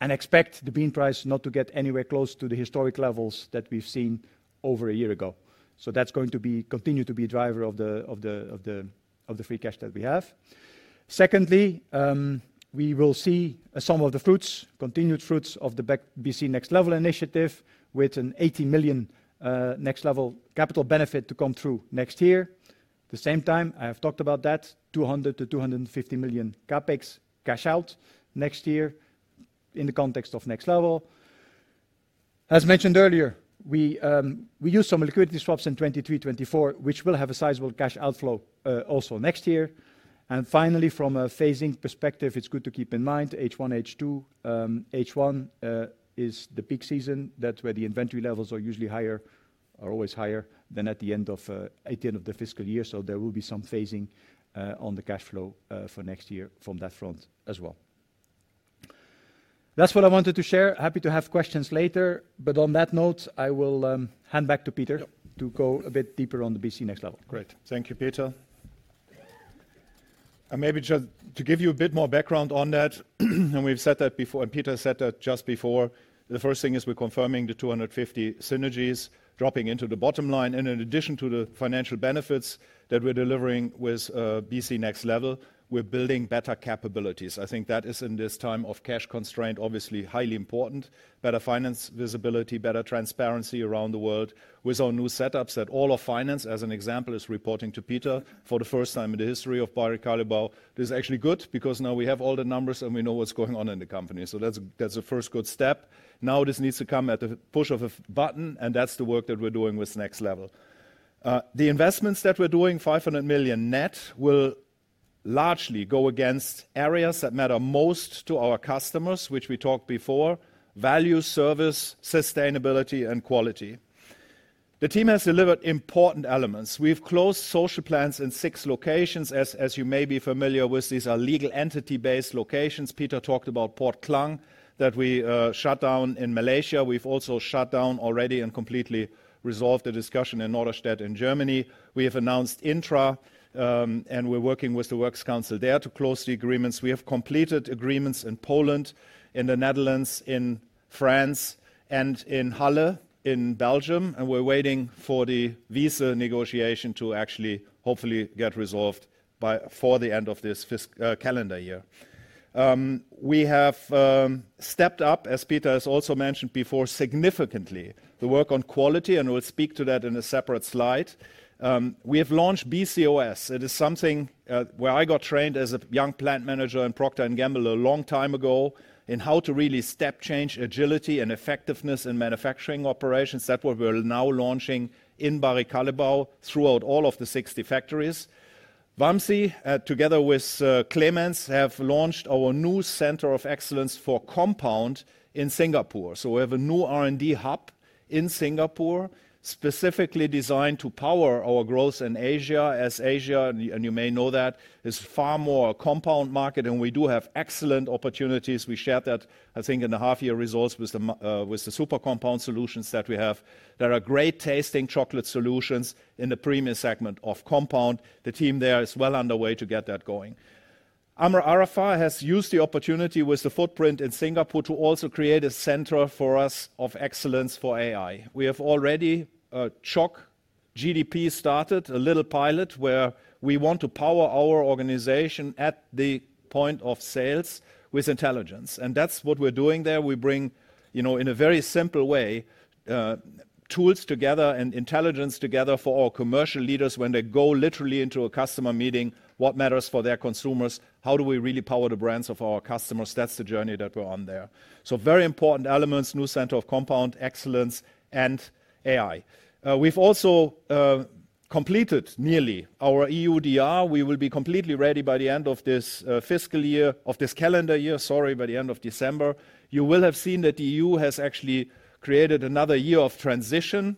and expect the bean price not to get anywhere close to the historic levels that we've seen over a year ago. So that's going to continue to be a driver of the free cash that we have. Secondly, we will see some of the fruits, continued fruits of the BC Next Level initiative with a 80 million Next Level capital benefit to come through next year. At the same time, I have talked about that, 200 million-250 million CapEx cash out next year in the context of Next Level. As mentioned earlier, we use some liquidity swaps in 2023-2024, which will have a sizable cash outflow also next year. And finally, from a phasing perspective, it's good to keep in mind H1, H2. H1 is the peak season where the inventory levels are usually higher, are always higher than at the end of the fiscal year. So there will be some phasing on the cash flow for next year from that front as well. That's what I wanted to share. Happy to have questions later. But on that note, I will hand back to Peter to go a bit deeper on the BC Next Level. Great. Thank you, Peter. And maybe just to give you a bit more background on that, and we've said that before, and Peter said that just before, the first thing is we're confirming the 250 synergies dropping into the bottom line. And in addition to the financial benefits that we're delivering with BC Next Level, we're building better capabilities. I think that is, in this time of cash constraint, obviously highly important. Better finance visibility, better transparency around the world with our new setups that all of finance, as an example, is reporting to Peter for the first time in the history of Barry Callebaut. This is actually good because now we have all the numbers and we know what's going on in the company. So that's a first good step. Now this needs to come at the push of a button, and that's the work that we're doing with Next Level. The investments that we're doing, 500 million net, will largely go against areas that matter most to our customers, which we talked before: value, service, sustainability, and quality. The team has delivered important elements. We've closed social plans in six locations, as you may be familiar with. These are legal entity-based locations. Peter talked about Port Klang that we shut down in Malaysia. We've also shut down already and completely resolved the discussion in Norderstedt in Germany. We have announced Intra, and we're working with the Works Council there to close the agreements. We have completed agreements in Poland, in the Netherlands, in France, and in Halle in Belgium. We're waiting for the Wieze negotiation to actually hopefully get resolved by the end of this calendar year. We have stepped up, as Peter has also mentioned before, significantly the work on quality, and we'll speak to that in a separate slide. We have launched BCOS. It is something where I got trained as a young plant manager in Procter & Gamble a long time ago in how to really step change agility and effectiveness in manufacturing operations. That's what we're now launching in Barry Callebaut throughout all of the 60 factories. Vamsi, together with Clemens, have launched our new Center of Excellence for Compound in Singapore. We have a new R&D hub in Singapore specifically designed to power our growth in Asia, as Asia, and you may know that, is far more a compound market, and we do have excellent opportunities. We shared that, I think, in a half-year results with the super compound solutions that we have. There are great tasting chocolate solutions in the premium segment of compound. The team there is well underway to get that going. Amr Arafa has used the opportunity with the footprint in Singapore to also create a center for us of excellence for AI. We have already ChatGPT started a little pilot where we want to power our organization at the point of sales with intelligence. And that's what we're doing there. We bring, in a very simple way, tools together and intelligence together for our commercial leaders when they go literally into a customer meeting. What matters for their consumers? How do we really power the brands of our customers? That's the journey that we're on there. So very important elements, new center of compound excellence and AI. We've also completed nearly our EUDR. We will be completely ready by the end of this fiscal year, of this calendar year, sorry, by the end of December. You will have seen that the EU has actually created another year of transition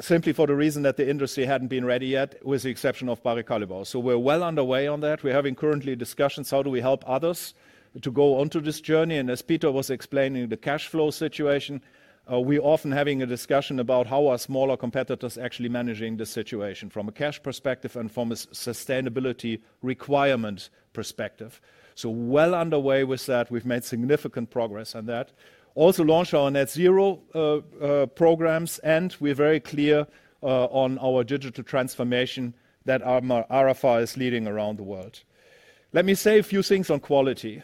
simply for the reason that the industry hadn't been ready yet, with the exception of Barry Callebaut. So we're well underway on that. We're having currently discussions how do we help others to go onto this journey. And as Peter was explaining the cash flow situation, we're often having a discussion about how our smaller competitors are actually managing the situation from a cash perspective and from a sustainability requirement perspective. So well underway with that. We've made significant progress on that. Also launched our net zero programs, and we're very clear on our digital transformation that Amr Arafa is leading around the world. Let me say a few things on quality.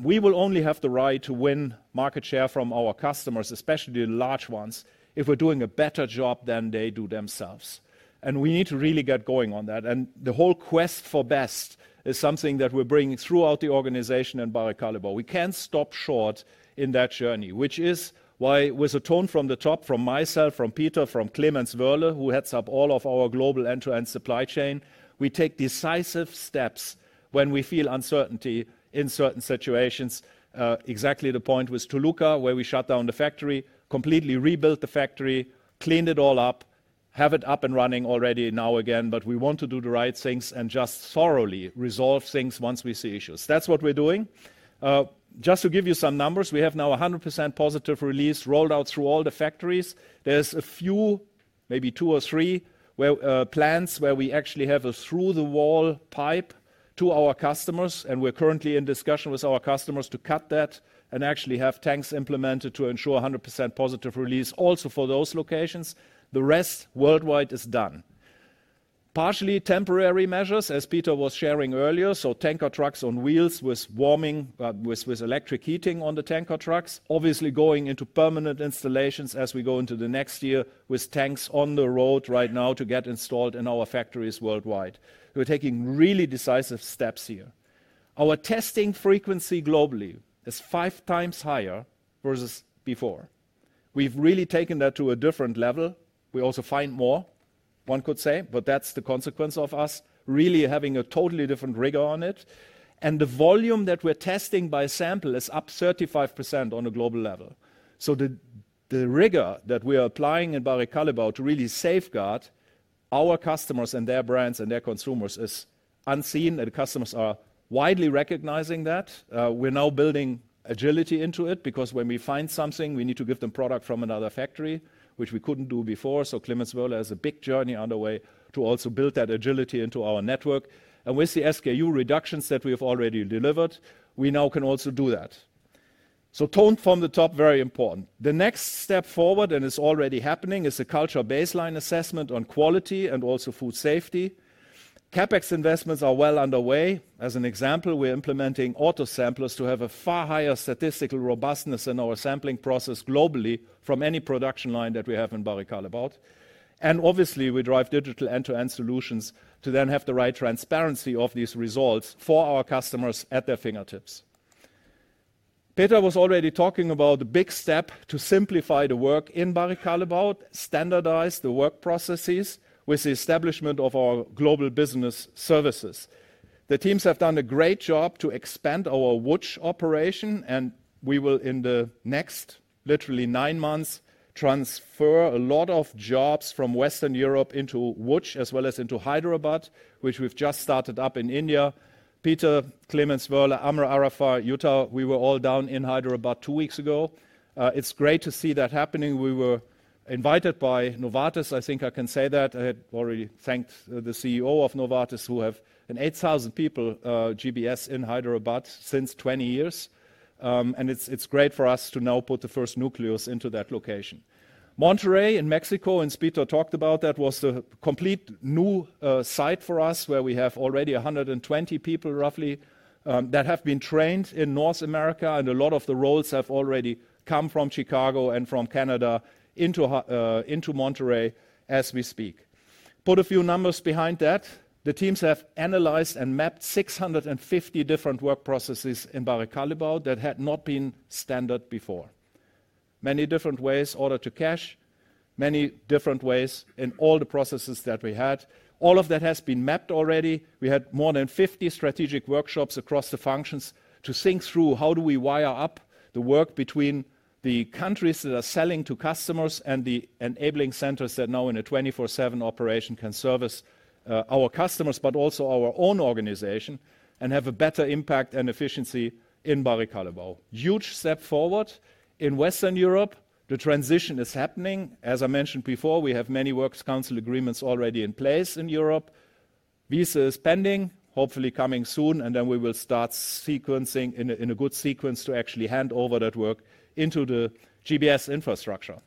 We will only have the right to win market share from our customers, especially the large ones, if we're doing a better job than they do themselves. And we need to really get going on that. And the whole quest for best is something that we're bringing throughout the organization and Barry Callebaut. We can't stop short in that journey, which is why, with a tone from the top, from myself, from Peter, from Clemens Woehrle, who heads up all of our global end-to-end supply chain, we take decisive steps when we feel uncertainty in certain situations. Exactly the point with Toluca, where we shut down the factory, completely rebuilt the factory, cleaned it all up, have it up and running already now again, but we want to do the right things and just thoroughly resolve things once we see issues. That's what we're doing. Just to give you some numbers, we have now 100% Positive Release rolled out through all the factories. There's a few, maybe two or three, plants where we actually have a through-the-wall pipe to our customers, and we're currently in discussion with our customers to cut that and actually have tanks implemented to ensure 100% Positive Release also for those locations. The rest worldwide is done. Partially temporary measures, as Peter was sharing earlier, so tanker trucks on wheels with warming, with electric heating on the tanker trucks, obviously going into permanent installations as we go into the next year with tanks on the road right now to get installed in our factories worldwide. We're taking really decisive steps here. Our testing frequency globally is five times higher versus before. We've really taken that to a different level. We also find more, one could say, but that's the consequence of us really having a totally different rigor on it, and the volume that we're testing by sample is up 35% on a global level, so the rigor that we are applying in Barry Callebaut to really safeguard our customers and their brands and their consumers is unseen, and customers are widely recognizing that. We're now building agility into it because when we find something, we need to give them product from another factory, which we couldn't do before, so Clemens Woehrle has a big journey underway to also build that agility into our network, and with the SKU reductions that we have already delivered, we now can also do that, so tone from the top, very important. The next step forward, and it's already happening, is a culture baseline assessment on quality and also food safety. CapEx investments are well underway. As an example, we're implementing autosamplers to have a far higher statistical robustness in our sampling process globally from any production line that we have in Barry Callebaut, and obviously, we drive digital end-to-end solutions to then have the right transparency of these results for our customers at their fingertips. Peter was already talking about the big step to simplify the work in Barry Callebaut, standardize the work processes with the establishment of our global business services. The teams have done a great job to expand our GBS operation, and we will, in the next literally nine months, transfer a lot of jobs from Western Europe into GBS, as well as into Hyderabad, which we've just started up in India. Peter, Clemens Woehrle, Amr Arafa, Jutta, we were all down in Hyderabad two weeks ago. It's great to see that happening. We were invited by Novartis. I think I can say that. I had already thanked the CEO of Novartis, who have an 8,000-person GBS in Hyderabad for 20 years, and it's great for us to now put the first nucleus into that location. Monterrey in Mexico, as Peter talked about, that was a complete new site for us where we have already 120 people roughly that have been trained in North America, and a lot of the roles have already come from Chicago and from Canada into Monterrey as we speak. Put a few numbers behind that. The teams have analyzed and mapped 650 different work processes in Barry Callebaut that had not been standard before. Many different ways order to cash, many different ways in all the processes that we had. All of that has been mapped already. We had more than 50 strategic workshops across the functions to think through how do we wire up the work between the countries that are selling to customers and the enabling centers that now in a 24/7 operation can service our customers, but also our own organization, and have a better impact and efficiency in Barry Callebaut. Huge step forward. In Western Europe, the transition is happening. As I mentioned before, we have many Works Council agreements already in place in Europe. Wieze is pending, hopefully coming soon, and then we will start sequencing in a good sequence to actually hand over that work into the GBS infrastructure.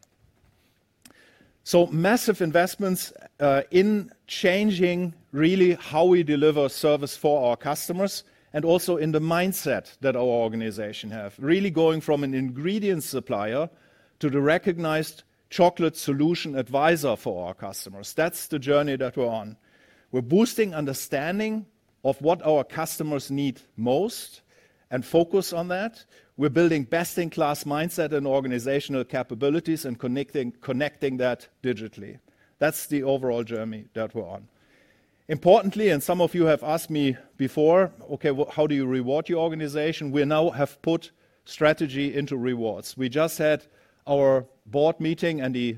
Massive investments in changing really how we deliver service for our customers and also in the mindset that our organization has. Really going from an ingredient supplier to the recognized chocolate solution advisor for our customers. That's the journey that we're on. We're boosting understanding of what our customers need most and focus on that. We're building best-in-class mindset and organizational capabilities and connecting that digitally. That's the overall journey that we're on. Importantly, and some of you have asked me before, okay, how do you reward your organization? We now have put strategy into rewards. We just had our board meeting and the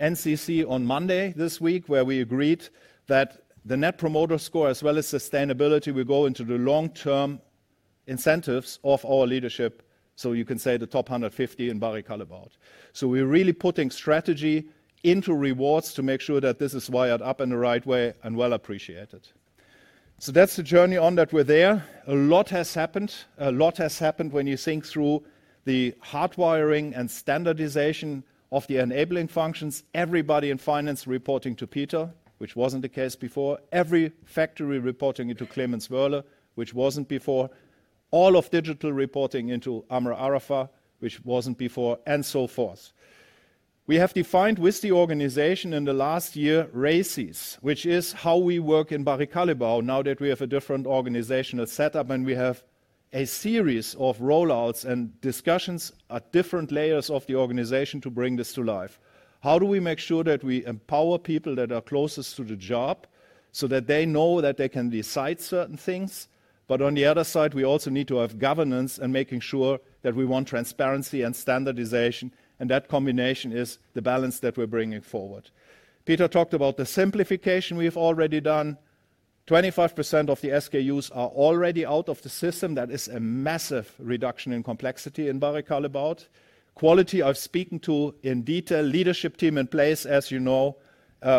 NCC on Monday this week where we agreed that the Net Promoter Score as well as sustainability, we go into the long-term incentives of our leadership, so you can say the top 150 in Barry Callebaut. So we're really putting strategy into rewards to make sure that this is wired up in the right way and well appreciated. So that's the journey on that we're there. A lot has happened. A lot has happened when you think through the hardwiring and standardization of the enabling functions. Everybody in finance reporting to Peter, which wasn't the case before. Every factory reporting into Clemens Woehrle, which wasn't before. All of digital reporting into Amr Arafa, which wasn't before, and so forth. We have defined with the organization in the last year RACIs, which is how we work in Barry Callebaut now that we have a different organizational setup and we have a series of rollouts and discussions at different layers of the organization to bring this to life. How do we make sure that we empower people that are closest to the job so that they know that they can decide certain things? But on the other side, we also need to have governance and making sure that we want transparency and standardization, and that combination is the balance that we're bringing forward. Peter talked about the simplification we've already done. 25% of the SKUs are already out of the system. That is a massive reduction in complexity in Barry Callebaut. Quality of speaking to in detail leadership team in place, as you know.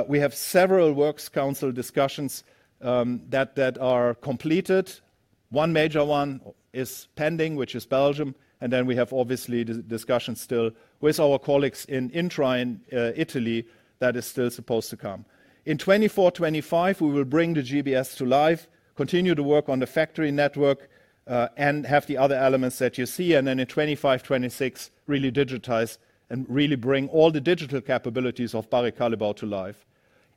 We have several Works Council discussions that are completed. One major one is pending, which is Belgium, and then we have obviously discussions still with our colleagues in Intra, Italy that is still supposed to come. In 2024-2025, we will bring the GBS to life, continue to work on the factory network, and have the other elements that you see, and then in 2025-2026, really digitize and really bring all the digital capabilities of Barry Callebaut to life.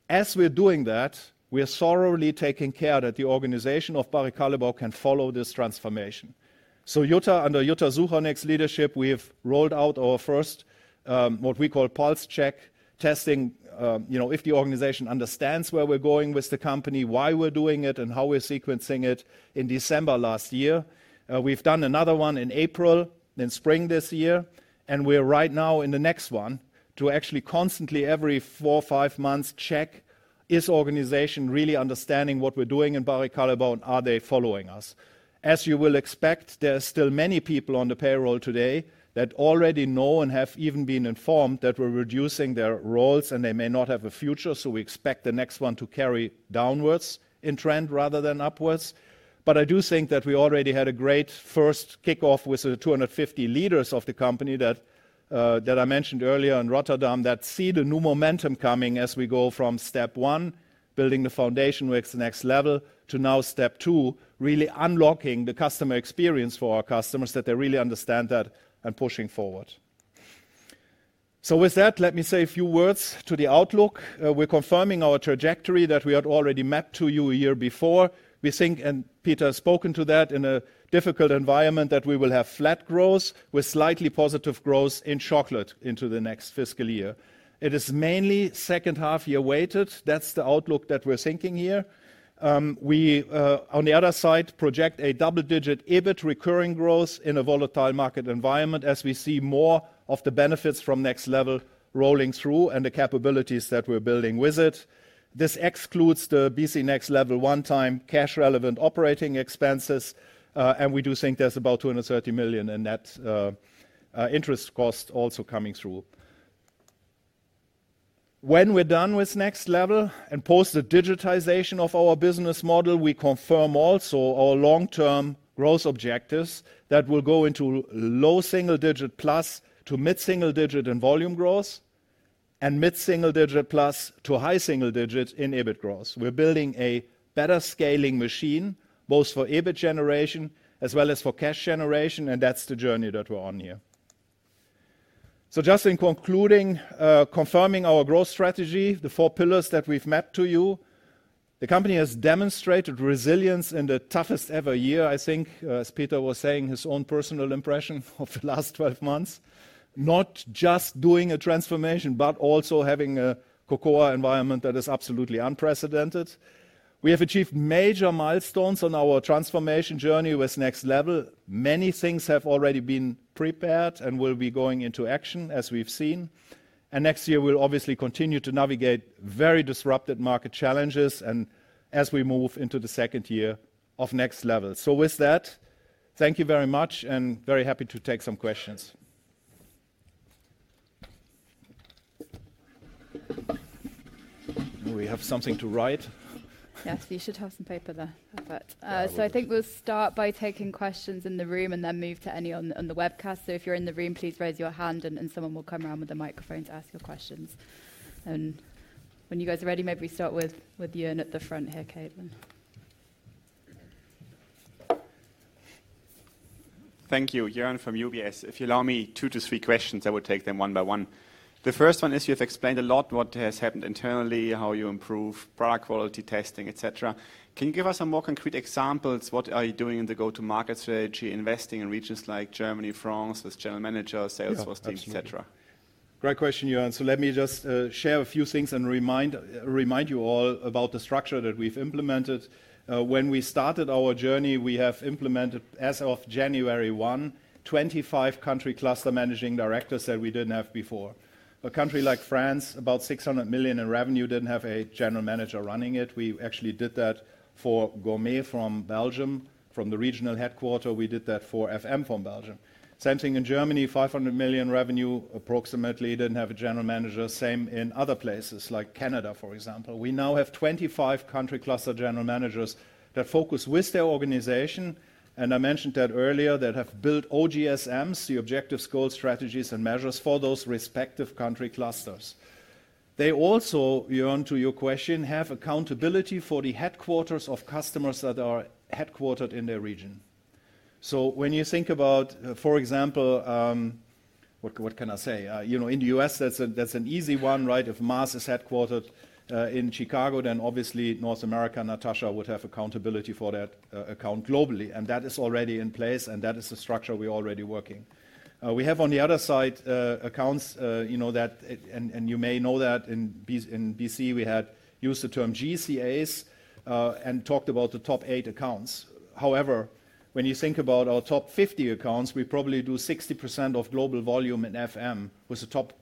As we're doing that, we're thoroughly taking care that the organization of Barry Callebaut can follow this transformation. So under Jutta Suchanek's next leadership, we've rolled out our first, what we call pulse check testing if the organization understands where we're going with the company, why we're doing it, and how we're sequencing it in December last year. We've done another one in April, in spring this year, and we're right now in the next one to actually constantly, every four or five months, check if the organization really understands what we're doing in Barry Callebaut and are they following us. As you will expect, there are still many people on the payroll today that already know and have even been informed that we're reducing their roles and they may not have a future, so we expect the next one to carry downwards in trend rather than upwards. But I do think that we already had a great first kickoff with the 250 leaders of the company that I mentioned earlier in Rotterdam that see the new momentum coming as we go from step one, building the foundation with the Next Level, to now step two, really unlocking the customer experience for our customers that they really understand that and pushing forward. So with that, let me say a few words to the outlook. We're confirming our trajectory that we had already mapped to you a year before. We think, and Peter has spoken to that in a difficult environment, that we will have flat growth with slightly positive growth in chocolate into the next fiscal year. It is mainly second half year weighted. That's the outlook that we're thinking here. We, on the other side, project a double-digit EBIT recurring growth in a volatile market environment as we see more of the benefits from Next Level rolling through and the capabilities that we're building with it. This excludes the BC Next Level one-time cash-relevant operating expenses, and we do think there's about 230 million in net interest cost also coming through. When we're done with Next Level and post the digitization of our business model, we confirm also our long-term growth objectives that will go into low single-digit plus to mid-single-digit in volume growth and mid-single-digit plus to high single-digit in EBIT growth. We're building a better scaling machine both for EBIT generation as well as for cash generation, and that's the journey that we're on here. Just in concluding, confirming our growth strategy, the four pillars that we've mapped to you, the company has demonstrated resilience in the toughest ever year, I think, as Peter was saying his own personal impression of the last 12 months, not just doing a transformation, but also having a cocoa environment that is absolutely unprecedented. We have achieved major milestones on our transformation journey with Next Level. Many things have already been prepared and will be going into action as we've seen. Next year, we'll obviously continue to navigate very disrupted market challenges as we move into the second year of Next Level. With that, thank you very much and very happy to take some questions. We have something to write. Yes, we should have some paper there. I think we'll start by taking questions in the room and then move to any on the webcast. If you're in the room, please raise your hand and someone will come around with the microphone to ask your questions. When you guys are ready, maybe we start with Jörn at the front here, Caitlin. Thank you. Jörn from UBS. If you allow me two to three questions, I will take them one by one. The first one is you've explained a lot what has happened internally, how you improve product quality testing, etc. Can you give us some more concrete examples? What are you doing in the go-to-market strategy, investing in regions like Germany, France, with general managers, salesforce teams, etc.? Great question, Jörn. Let me just share a few things and remind you all about the structure that we've implemented. When we started our journey, we have implemented as of January 1, 25 country cluster managing directors that we didn't have before. A country like France, about 600 million in revenue, didn't have a general manager running it. We actually did that for Gourmet from Belgium, from the regional headquarters. We did that for FM from Belgium. Same thing in Germany, 500 million revenue approximately, didn't have a general manager. Same in other places like Canada, for example. We now have 25 country cluster general managers that focus with their organization, and I mentioned that earlier, that have built OGSMs, the objectives, goals, strategies, and measures for those respective country clusters. They also, Jörn, to your question, have accountability for the headquarters of customers that are headquartered in their region. So when you think about, for example, what can I say? In the U.S., that's an easy one, right? If Mars is headquartered in Chicago, then obviously North America, Natasha, would have accountability for that account globally. And that is already in place, and that is the structure we're already working. We have on the other side accounts, and you may know that in BC, we had used the term GCAs and talked about the top eight accounts. However, when you think about our top 50 accounts, we probably do 60% of global volume in FM with the top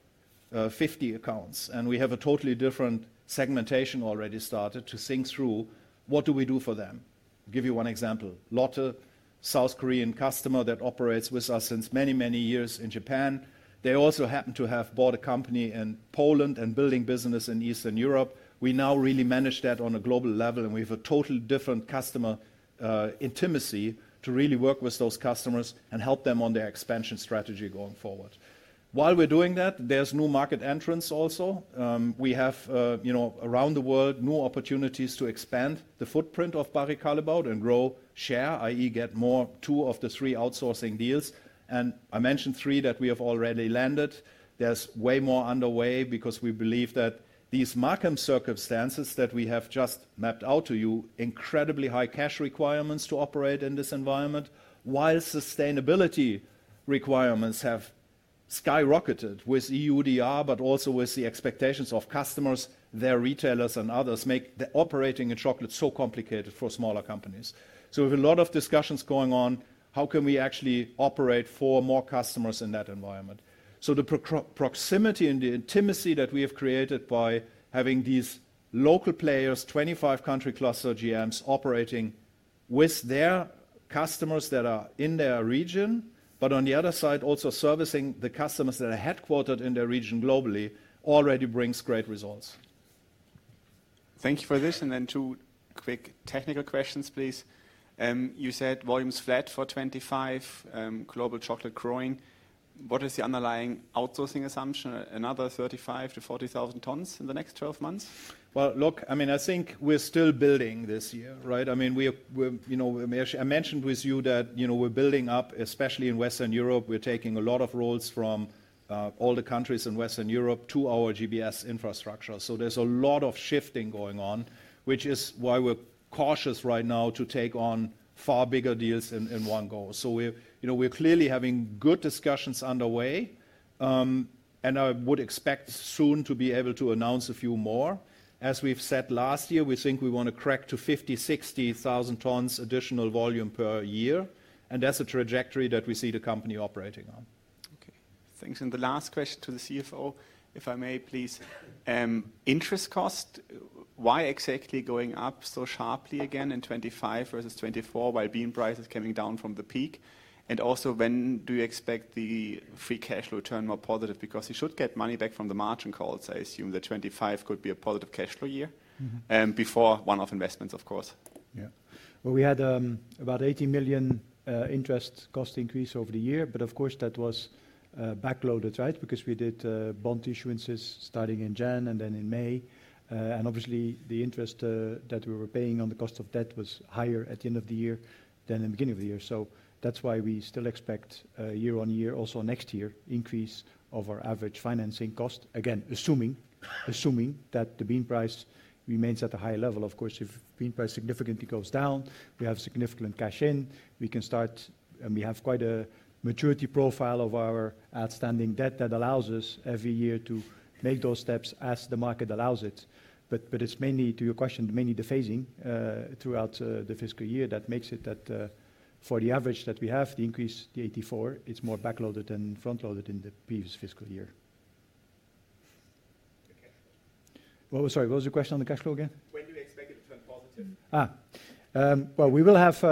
50 accounts. And we have a totally different segmentation already started to think through what do we do for them. I'll give you one example. Lotte, a South Korean customer that operates with us since many, many years in Japan. They also happen to have bought a company in Poland and building business in Eastern Europe. We now really manage that on a global level, and we have a totally different customer intimacy to really work with those customers and help them on their expansion strategy going forward. While we're doing that, there's new market entrants also. We have around the world new opportunities to expand the footprint of Barry Callebaut and grow share, i.e., get more out of the three outsourcing deals. I mentioned three that we have already landed. There's way more underway because we believe that these market circumstances that we have just mapped out to you, incredibly high cash requirements to operate in this environment, while sustainability requirements have skyrocketed with EUDR, but also with the expectations of customers, their retailers, and others make operating in chocolate so complicated for smaller companies. We have a lot of discussions going on. How can we actually operate for more customers in that environment? The proximity and the intimacy that we have created by having these local players, 25 country cluster GMs operating with their customers that are in their region, but on the other side, also servicing the customers that are headquartered in their region globally already brings great results. Thank you for this. Then two quick technical questions, please. You said volume's flat for FY25 global chocolate growth. What is the underlying outsourcing assumption? Another 35-40,000 tons in the next 12 months? Well, look, I mean, I think we're still building this year, right? I mean, I mentioned with you that we're building up, especially in Western Europe. We're taking a lot of roles from all the countries in Western Europe to our GBS infrastructure. So there's a lot of shifting going on, which is why we're cautious right now to take on far bigger deals in one go. So we're clearly having good discussions underway, and I would expect soon to be able to announce a few more. As we've said last year, we think we want to crack to 50,000-60,000 tons additional volume per year. And that's a trajectory that we see the company operating on. Okay. Thanks. And the last question to the CFO, if I may, please. Interest cost, why exactly going up so sharply again in 2025 versus 2024 while bean prices coming down from the peak? And also, when do you expect the free cash flow to return more positive? Because you should get money back from the margin calls, I assume, that 2025 could be a positive cash flow year before one of investments, of course. Yeah. We had about 80 million interest cost increase over the year, but of course, that was backloaded, right? Because we did bond issuances starting in January and then in May. Obviously, the interest that we were paying on the cost of debt was higher at the end of the year than in the beginning of the year. That's why we still expect year-on-year, also next year, increase of our average financing cost, again, assuming that the bean price remains at a high level. Of course, if bean price significantly goes down, we have significant cash in. We can start, and we have quite a maturity profile of our outstanding debt that allows us every year to make those steps as the market allows it. But it's mainly, to your question, mainly the phasing throughout the fiscal year that makes it that for the average that we have, the increase, the 84. It's more backloaded than frontloaded in the previous fiscal year. Well, sorry, what was your question on the cash flow again? When do you expect it to turn positive? Well, we will have.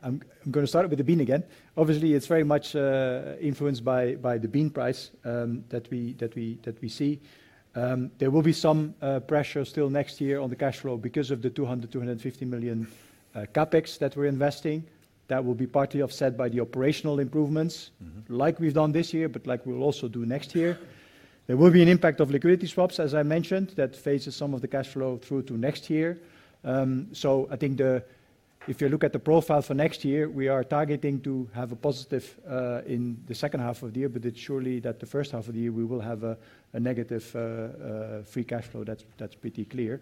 I'm going to start with the bean again. Obviously, it's very much influenced by the bean price that we see. There will be some pressure still next year on the cash flow because of the 200 to 250 million CapEx that we're investing. That will be partly offset by the operational improvements, like we've done this year, but like we'll also do next year. There will be an impact of liquidity swaps, as I mentioned, that phases some of the cash flow through to next year. So I think if you look at the profile for next year, we are targeting to have a positive in the second half of the year, but it's surely that the first half of the year, we will have a negative free cash flow. That's pretty clear.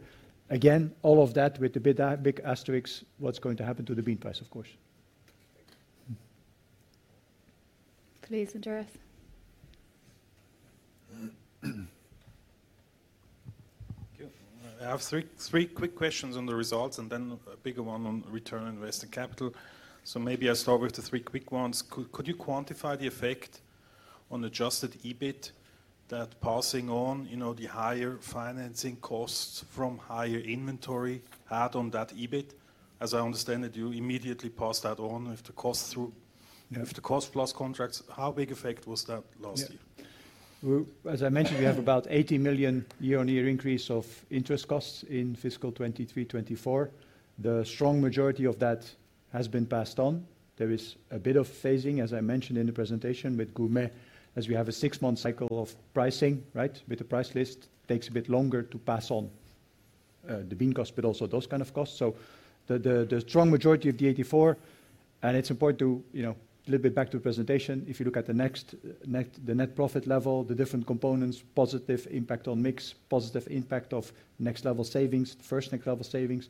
Again, all of that with the big asterisk, what's going to happen to the bean price, of course. Please, Andreas. Thank you. I have three quick questions on the results and then a bigger one on return on invested capital. So maybe I'll start with the three quick ones. Could you quantify the effect on adjusted EBIT that passing on the higher financing costs from higher inventory had on that EBIT? As I understand it, you immediately passed that on if the cost through, if the cost plus contracts. How big effect was that last year? As I mentioned, we have about 80 million year-on-year increase of interest costs in fiscal 2023, 2024. The strong majority of that has been passed on. There is a bit of phasing, as I mentioned in the presentation with Gourmet, as we have a six-month cycle of pricing, right? With the price list, it takes a bit longer to pass on the bean cost, but also those kind of costs. So the strong majority of the 84 million, and it's important to a little bit back to the presentation. If you look at the next the net profit level, the different components, positive impact on mix, positive impact of Next Level savings, first Next level savings,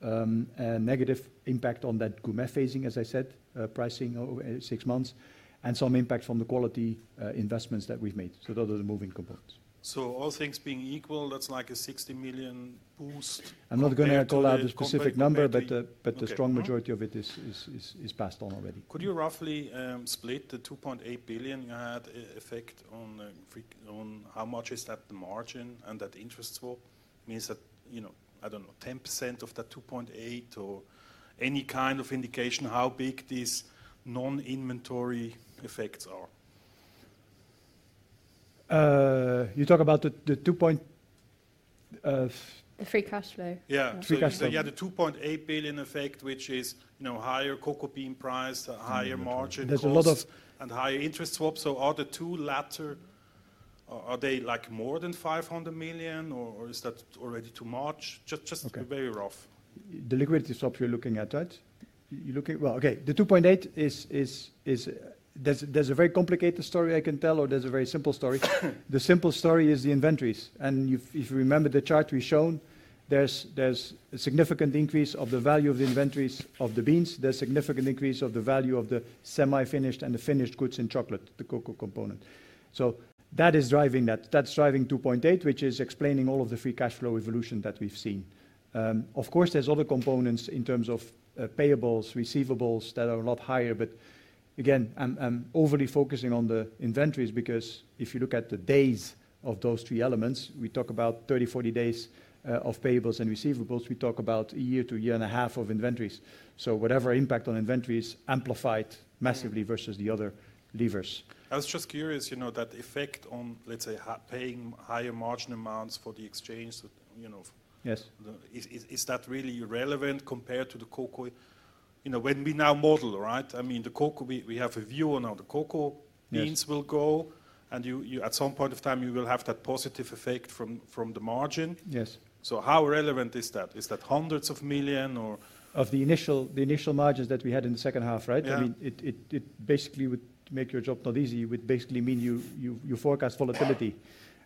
and negative impact on that Gourmet phasing, as I said, pricing over six months, and some impact from the quality investments that we've made. So those are the moving components. So all things being equal, that's like a 60 million boost. I'm not going to call out the specific number, but the strong majority of it is passed on already. Could you roughly split the 2.8 billion effect you had on how much is that the margin and that liquidity swap? Means that, I don't know, 10% of that 2.8 or any kind of indication how big these non-inventory effects are? You talk about the 2. The free cash flow. Yeah, free cash flow. Yeah, the 2.8 billion effect, which is higher cocoa bean price, higher margin costs, and higher liquidity swaps. So are the two latter, are they like more than 500 million or is that already too much? Just very rough. The liquidity swap, you're looking at that? You look at, well, okay, the 2.8 is. There's a very complicated story I can tell, or there's a very simple story. The simple story is the inventories, and if you remember the chart we've shown, there's a significant increase of the value of the inventories of the beans. There's significant increase of the value of the semi-finished and the finished goods in chocolate, the cocoa component, so that is driving that. That's driving 2.8, which is explaining all of the free cash flow evolution that we've seen. Of course, there's other components in terms of payables, receivables that are a lot higher, but again, I'm overly focusing on the inventories because if you look at the days of those three elements, we talk about 30, 40 days of payables and receivables. We talk about a year to a year-and-a-half of inventories. So whatever impact on inventories amplified massively versus the other levers. I was just curious that effect on, let's say, paying higher margin amounts for the exchange. Yes. Is that really irrelevant compared to the cocoa? When we now model, right? I mean, the cocoa, we have a view on how the cocoa beans will go, and at some point of time, you will have that positive effect from the margin. Yes. So how relevant is that? Is that hundreds of million or? Of the initial margins that we had in the second half, right? I mean, it basically would make your job not easy. It would basically mean you forecast volatility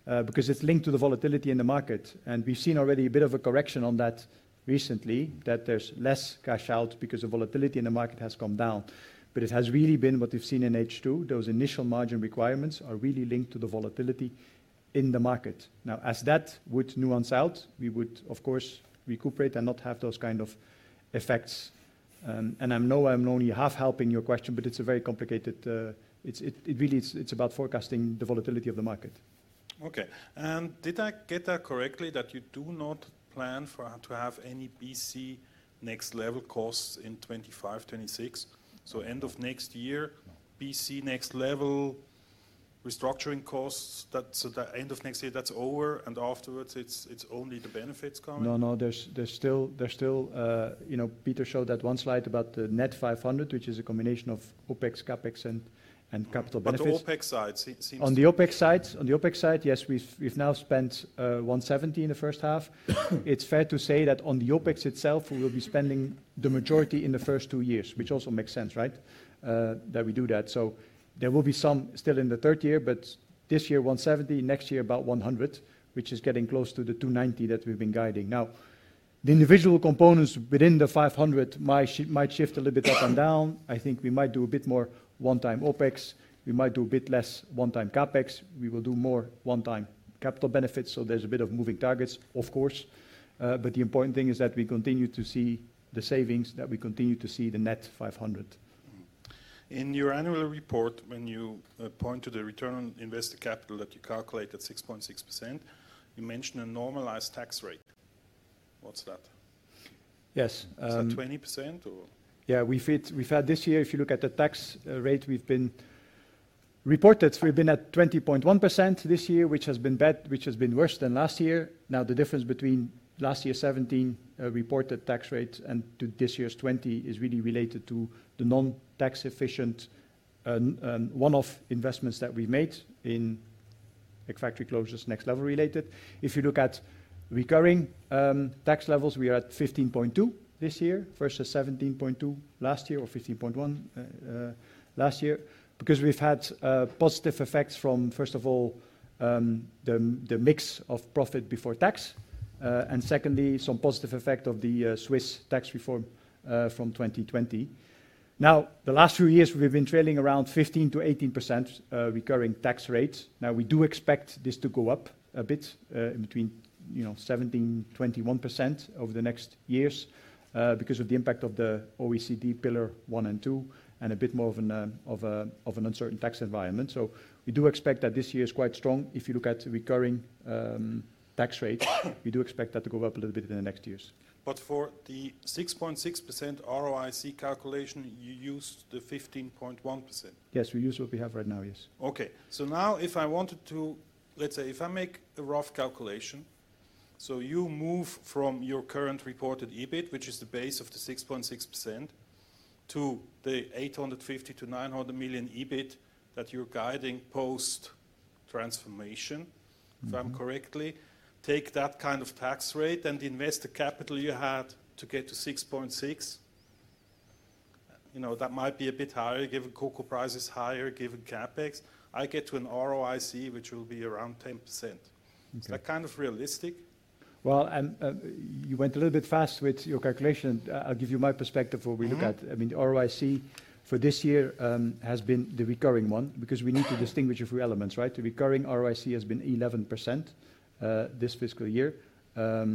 because it's linked to the volatility in the market. And we've seen already a bit of a correction on that recently, that there's less cash out because the volatility in the market has come down. But it has really been what we've seen in H2. Those initial margin requirements are really linked to the volatility in the market. Now, as that would even out, we would, of course, recuperate and not have those kind of effects. And I know I'm only half helping your question, but it's a very complicated. It really, it's about forecasting the volatility of the market. Okay. Did I get that correctly that you do not plan to have any BC Next Level costs in 2025, 2026? So end of next year, BC Next Level restructuring costs, that's the end of next year, that's over, and afterwards, it's only the benefits coming? No, no, there's still. Peter showed that one slide about the net 500, which is a combination of OpEx, CapEx, and capital benefits. On the OpEx side, it seems. On the OpEx side, on the OpEx side, yes, we've now spent 170 in the first half. It's fair to say that on the OpEx itself, we will be spending the majority in the first two years, which also makes sense, right? That we do that. So there will be some still in the third year, but this year 170, next year about 100, which is getting close to the 290 that we've been guiding. Now, the individual components within the 500 might shift a little bit up and down. I think we might do a bit more one-time OpEx. We might do a bit less one-time CapEx. We will do more one-time capital benefits. So there's a bit of moving targets, of course. But the important thing is that we continue to see the savings, that we continue to see the net 500. In your annual report, when you point to the return on invested capital that you calculate at 6.6%, you mentioned a normalized tax rate. What's that? Yes. Is that 20% or? Yeah, we've had this year, if you look at the tax rate, we've reported we've been at 20.1% this year, which has been bad, which has been worse than last year. Now, the difference between last year's 17% reported tax rate and this year's 20% is really related to the non-tax efficient one-off investments that we've made in factory closures Next Level related. If you look at recurring tax levels, we are at 15.2% this year versus 17.2% last year or 15.1% last year because we've had positive effects from, first of all, the mix of profit before tax. And secondly, some positive effect of the Swiss tax reform from 2020. Now, the last few years, we've been trailing around 15%-18% recurring tax rates. Now, we do expect this to go up a bit between 17-21% over the next years because of the impact of the OECD Pillar One and Two and a bit more of an uncertain tax environment. So we do expect that this year is quite strong. If you look at recurring tax rates, we do expect that to go up a little bit in the next years. But for the 6.6% ROIC calculation, you used the 15.1%. Yes, we use what we have right now, yes. Okay. So now, if I wanted to, let's say, if I make a rough calculation, so you move from your current reported EBIT, which is the base of the 6.6%, to the 850 million-900 million EBIT that you're guiding post-transformation, if I'm correct, take that kind of tax rate and the invested capital you had to get to 6.6%, that might be a bit higher, given cocoa price is higher, given CapEx, I get to an ROIC, which will be around 10%. Is that kind of realistic? You went a little bit fast with your calculation. I'll give you my perspective of what we look at. I mean, ROIC for this year has been the recurring one because we need to distinguish a few elements, right? The recurring ROIC has been 11% this fiscal year, falling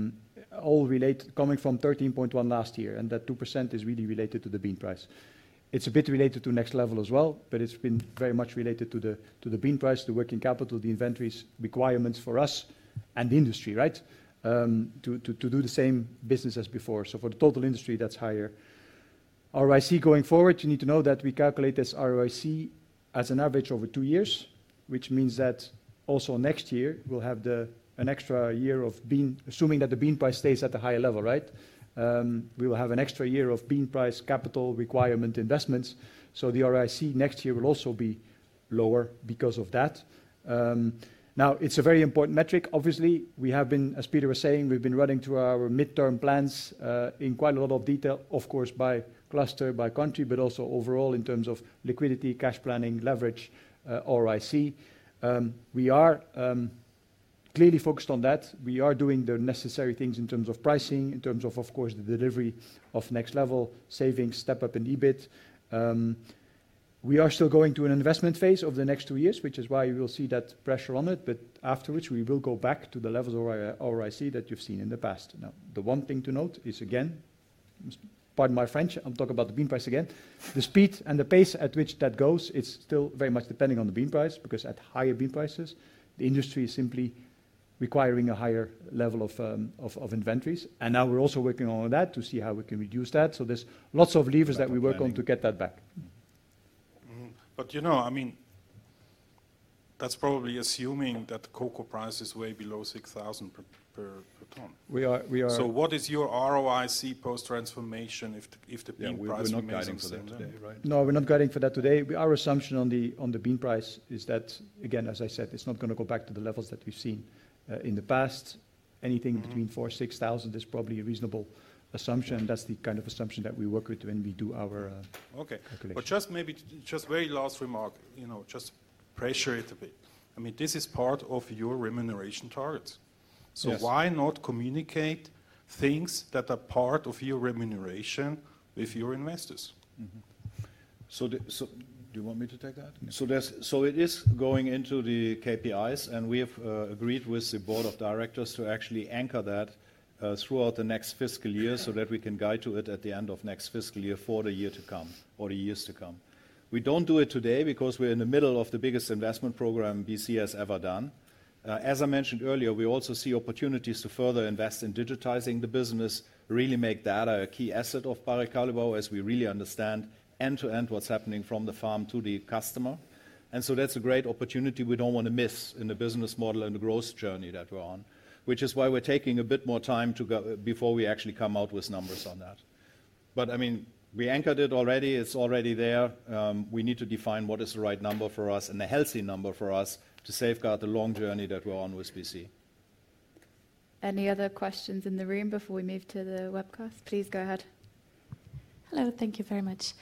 from 13.1% last year, and that 2% is really related to the bean price. It's a bit related to Next Level as well, but it's been very much related to the bean price, the working capital, the inventories requirements for us and the industry, right? To do the same business as before, so for the total industry, that's higher. ROIC going forward, you need to know that we calculate this ROIC as an average over two years, which means that also next year, we'll have an extra year of bean, assuming that the bean price stays at a higher level, right? We will have an extra year of bean price capital requirement investments, so the ROIC next year will also be lower because of that. Now, it's a very important metric. Obviously, we have been, as Peter was saying, we've been running through our midterm plans in quite a lot of detail, of course, by cluster, by country, but also overall in terms of liquidity, cash planning, leverage, ROIC. We are clearly focused on that. We are doing the necessary things in terms of pricing, in terms of, of course, the delivery of Next Level, savings, step-up in EBIT. We are still going to an investment phase over the next two years, which is why we will see that pressure on it. But afterwards, we will go back to the levels of ROIC that you've seen in the past. Now, the one thing to note is, again, pardon my French, I'm talking about the bean price again. The speed and the pace at which that goes, it's still very much depending on the bean price because at higher bean prices, the industry is simply requiring a higher level of inventories. And now we're also working on that to see how we can reduce that. So there's lots of levers that we work on to get that back. But you know, I mean, that's probably assuming that the cocoa price is way below 6,000 per ton. We are. So what is your ROIC post-transformation if the bean price remains the same today, right? No, we're not guiding for that today. Our assumption on the bean price is that, again, as I said, it's not going to go back to the levels that we've seen in the past. Anything between 4,000-6,000 is probably a reasonable assumption. That's the kind of assumption that we work with when we do our calculation. Okay. But just maybe just very last remark, just pressure it a bit. I mean, this is part of your remuneration targets. So why not communicate things that are part of your remuneration with your investors? So do you want me to take that? So it is going into the KPIs, and we have agreed with the board of directors to actually anchor that throughout the next fiscal year so that we can guide to it at the end of next fiscal year for the year to come or the years to come. We don't do it today because we're in the middle of the biggest investment program BC has ever done. As I mentioned earlier, we also see opportunities to further invest in digitizing the business, really make data a key asset of Barry Callebaut as we really understand end-to-end what's happening from the farm to the customer, and so that's a great opportunity we don't want to miss in the business model and the growth journey that we're on, which is why we're taking a bit more time before we actually come out with numbers on that, but I mean, we anchored it already. It's already there. We need to define what is the right number for us and the healthy number for us to safeguard the long journey that we're on with BC. Any other questions in the room before we move to the webcast? Please go ahead. Hello, thank you very much.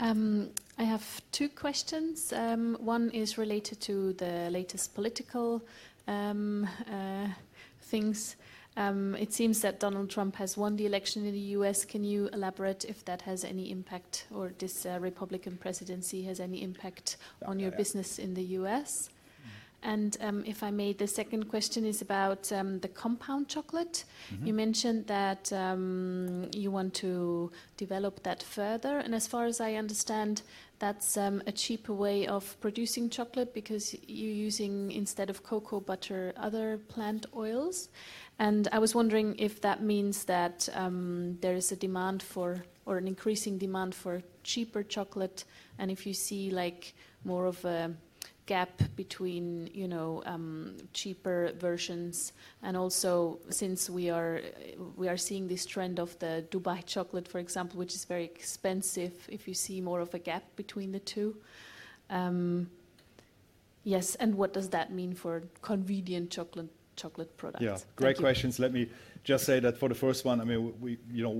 I have two questions. One is related to the latest political things. It seems that Donald Trump has won the election in the U.S. Can you elaborate if that has any impact or this Republican presidency has any impact on your business in the U.S.? And if I may, the second question is about the compound chocolate. You mentioned that you want to develop that further. And as far as I understand, that's a cheaper way of producing chocolate because you're using instead of cocoa butter, other plant oils. And I was wondering if that means that there is a demand for or an increasing demand for cheaper chocolate and if you see more of a gap between cheaper versions. And also since we are seeing this trend of the Dubai Chocolate, for example, which is very expensive, if you see more of a gap between the two. Yes, and what does that mean for convenient chocolate product? Yeah, great questions. Let me just say that for the first one, I mean,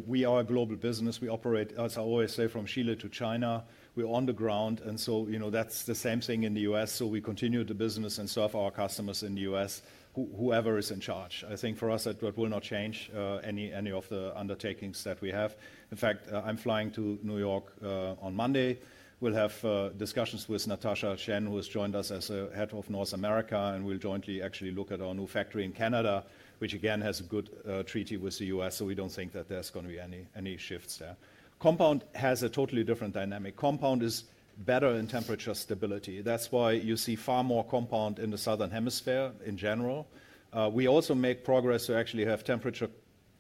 we are a global business. We operate, as I always say, from Chile to China. We're on the ground. And so that's the same thing in the U.S. So we continue the business and serve our customers in the U.S., whoever is in charge. I think for us, that will not change any of the undertakings that we have. In fact, I'm flying to New York on Monday. We'll have discussions with Natasha Chen, who has joined us as a head of North America, and we'll jointly actually look at our new factory in Canada, which again has a good treaty with the U.S. So we don't think that there's going to be any shifts there. Compound has a totally different dynamic. Compound is better in temperature stability. That's why you see far more compound in the Southern Hemisphere in general. We also make progress to actually have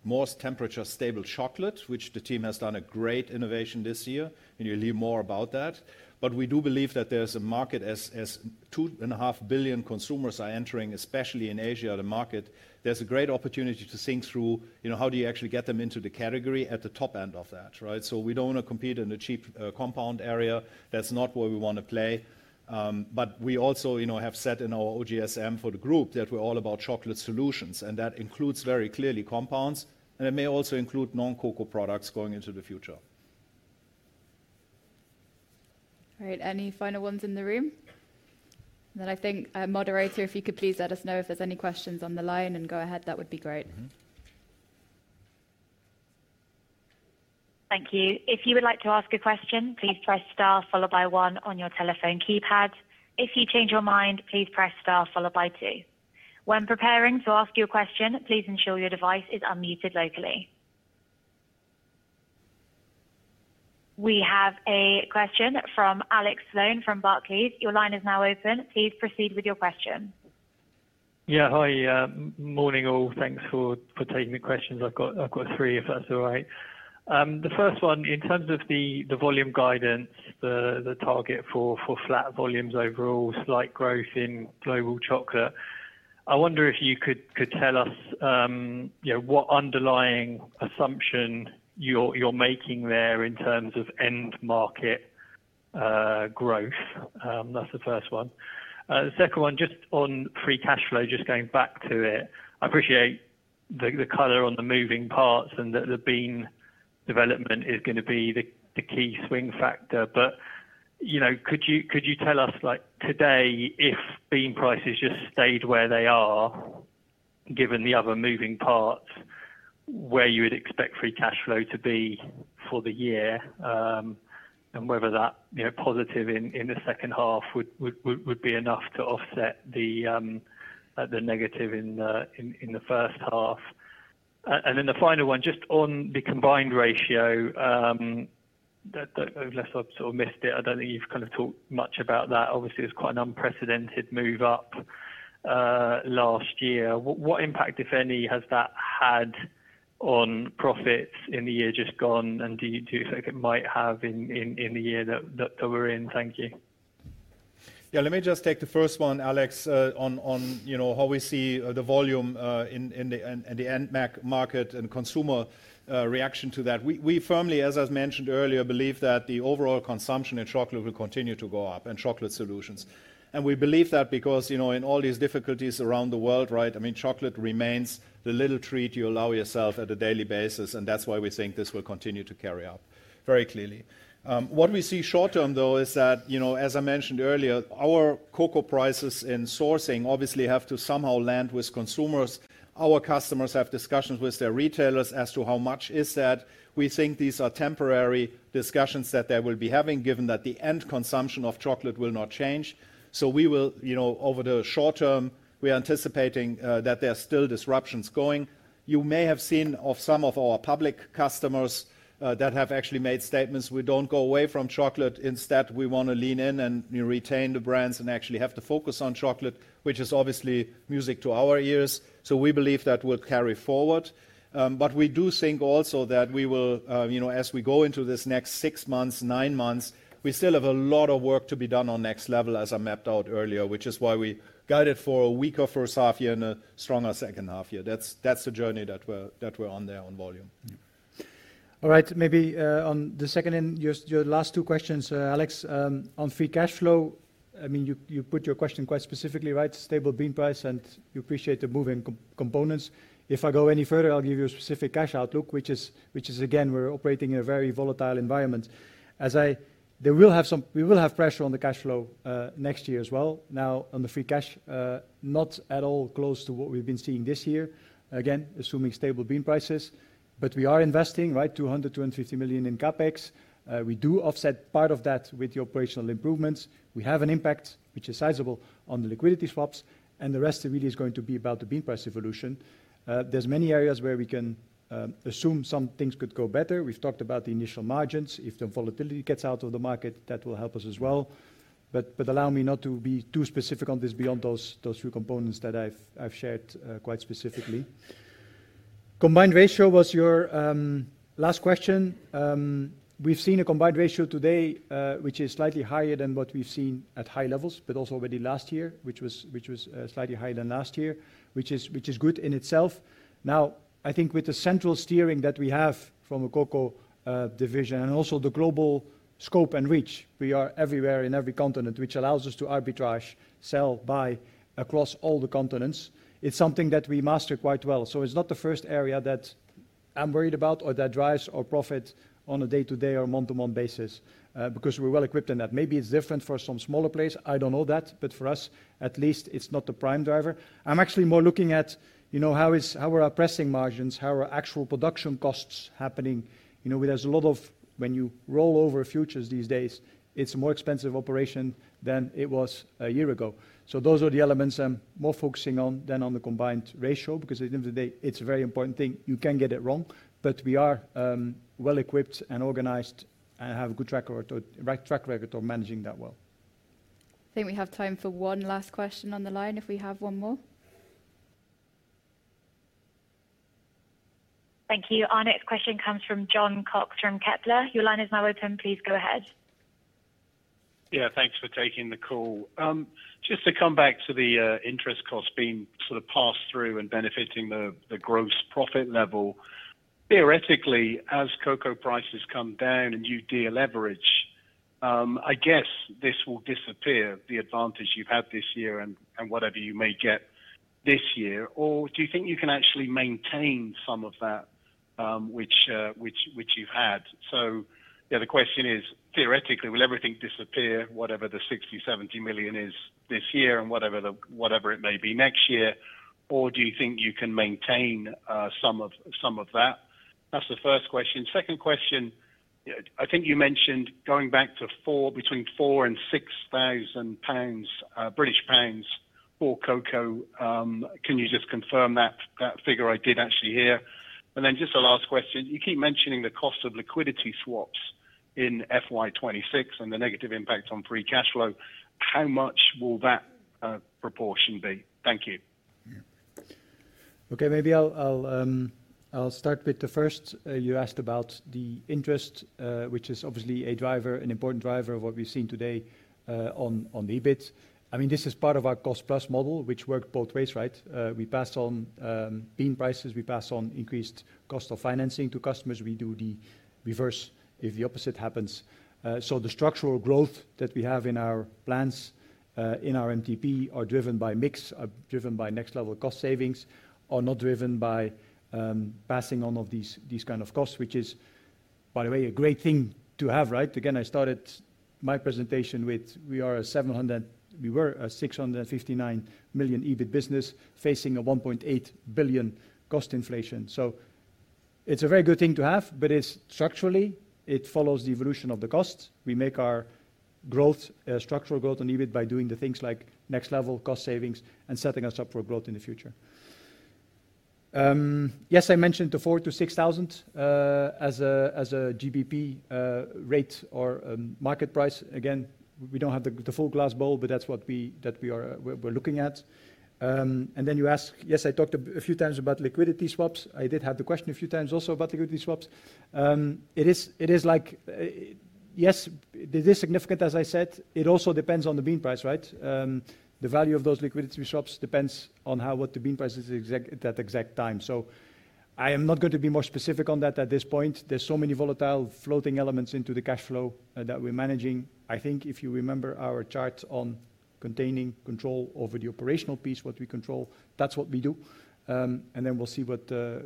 more temperature-stable chocolate, which the team has done a great innovation this year. And you'll hear more about that. But we do believe that there's a market as two-and-a-half billion consumers are entering, especially in Asia, the market. There's a great opportunity to think through how do you actually get them into the category at the top end of that, right? So we don't want to compete in the cheap compound area. That's not where we want to play. But we also have said in our OGSM for the group that we're all about chocolate solutions, and that includes very clearly compounds. And it may also include non-cocoa products going into the future. All right, any final ones in the room? And then I think, moderator, if you could please let us know if there's any questions on the line and go ahead, that would be great. Thank you. If you would like to ask a question, please press star followed by one on your telephone keypad. If you change your mind, please press star followed by two. When preparing to ask your question, please ensure your device is unmuted locally. We have a question from Alex Sloane from Barclays. Your line is now open. Please proceed with your question. Yeah, hi. Morning all. Thanks for taking the questions. I've got three, if that's all right. The first one, in terms of the volume guidance, the target for flat volumes overall, slight growth in global chocolate, I wonder if you could tell us what underlying assumption you're making there in terms of end market growth. That's the first one. The second one, just on free cash flow, just going back to it, I appreciate the color on the moving parts and that the bean development is going to be the key swing factor. But could you tell us today if bean prices just stayed where they are given the other moving parts, where you would expect free cash flow to be for the year and whether that positive in the second half would be enough to offset the negative in the first half? And then the final one, just on the combined ratio, unless I've sort of missed it, I don't think you've kind of talked much about that. Obviously, it's quite an unprecedented move up last year. What impact, if any, has that had on profits in the year just gone? And do you think it might have in the year that we're in? Thank you. Yeah, let me just take the first one, Alex, on how we see the volume in the end market and consumer reaction to that. We firmly, as I've mentioned earlier, believe that the overall consumption in chocolate will continue to go up and chocolate solutions. And we believe that because in all these difficulties around the world, right? I mean, chocolate remains the little treat you allow yourself at a daily basis. And that's why we think this will continue to carry up very clearly. What we see short term, though, is that, as I mentioned earlier, our cocoa prices in sourcing obviously have to somehow land with consumers. Our customers have discussions with their retailers as to how much is that. We think these are temporary discussions that they will be having given that the end consumption of chocolate will not change. So over the short term, we are anticipating that there are still disruptions going. You may have seen of some of our public customers that have actually made statements, "We don't go away from chocolate. Instead, we want to lean in and retain the brands and actually have to focus on chocolate," which is obviously music to our ears. So we believe that will carry forward. But we do think also that as we go into this next six months, nine months, we still have a lot of work to be done on Next Level, as I mapped out earlier, which is why we guided for a weaker first half year and a stronger second half year. That's the journey that we're on there on volume. All right, maybe on the second and your last two questions, Alex, on free cash flow, I mean, you put your question quite specifically, right? Stable bean price and you appreciate the moving components. If I go any further, I'll give you a specific cash outlook, which is, again, we're operating in a very volatile environment. There will have some we will have pressure on the cash flow next year as well. Now, on the free cash, not at all close to what we've been seeing this year, again, assuming stable bean prices. But we are investing, right, 200 to 250 million in CapEx. We do offset part of that with the operational improvements. We have an impact, which is sizable, on the liquidity swaps. And the rest really is going to be about the bean price evolution. There's many areas where we can assume some things could go better. We've talked about the initial margins. If the volatility gets out of the market, that will help us as well. But allow me not to be too specific on this beyond those few components that I've shared quite specifically. Combined Ratio was your last question. We've seen a Combined Ratio today, which is slightly higher than what we've seen at high levels, but also already last year, which was slightly higher than last year, which is good in itself. Now, I think with the central steering that we have from a cocoa division and also the global scope and reach, we are everywhere in every continent, which allows us to arbitrage, sell, buy across all the continents. It's something that we master quite well. So it's not the first area that I'm worried about or that drives our profit on a day-to-day or month-to-month basis because we're well equipped in that. Maybe it's different for some smaller players. I don't know that. But for us, at least, it's not the prime driver. I'm actually more looking at how are our pressing margins, how are actual production costs happening. There's a lot of when you roll over futures these days, it's a more expensive operation than it was a year ago. So those are the elements I'm more focusing on than on the combined ratio because at the end of the day, it's a very important thing. You can get it wrong. But we are well equipped and organized and have a good track record of managing that well. I think we have time for one last question on the line if we have one more. Thank you. Our next question comes from Jon Cox from Kepler. Your line is now open. Please go ahead. Yeah, thanks for taking the call. Just to come back to the interest cost being sort of passed through and benefiting the gross profit level. Theoretically, as cocoa prices come down and you de-leverage, I guess this will disappear, the advantage you've had this year and whatever you may get this year. Or do you think you can actually maintain some of that which you've had? So the question is, theoretically, will everything disappear, whatever the 60-70 million is this year and whatever it may be next year? Or do you think you can maintain some of that? That's the first question. Second question, I think you mentioned going back to between 4,000 and 6,000 pounds for cocoa. Can you just confirm that figure I did actually hear? And then just a last question. You keep mentioning the cost of liquidity swaps in FY26 and the negative impact on free cash flow. How much will that proportion be? Thank you. Okay, maybe I'll start with the first. You asked about the interest, which is obviously an important driver of what we've seen today on the EBIT. I mean, this is part of our cost-plus model, which works both ways, right? We pass on bean prices. We pass on increased cost of financing to customers. We do the reverse if the opposite happens. So the structural growth that we have in our plans, in our MTP, are driven by mix, are driven by Next Level cost savings, are not driven by passing on of these kind of costs, which is, by the way, a great thing to have, right? Again, I started my presentation with, we are a 659 million EBIT business facing a 1.8 billion cost inflation. So it's a very good thing to have, but structurally, it follows the evolution of the costs. We make our structural growth on EBIT by doing the things like Next Level cost savings and setting us up for growth in the future. Yes, I mentioned the 4,000-6,000 as a GBP rate or market price. Again, we don't have the full crystal ball, but that's what we're looking at. And then you ask, yes, I talked a few times about liquidity swaps. I did have the question a few times also about liquidity swaps. It is like, yes, it is significant, as I said. It also depends on the bean price, right? The value of those liquidity swaps depends on what the bean price is at that exact time. So I am not going to be more specific on that at this point. There's so many volatile floating elements into the cash flow that we're managing. I think if you remember our chart on containing control over the operational piece, what we control, that's what we do. And then we'll see what the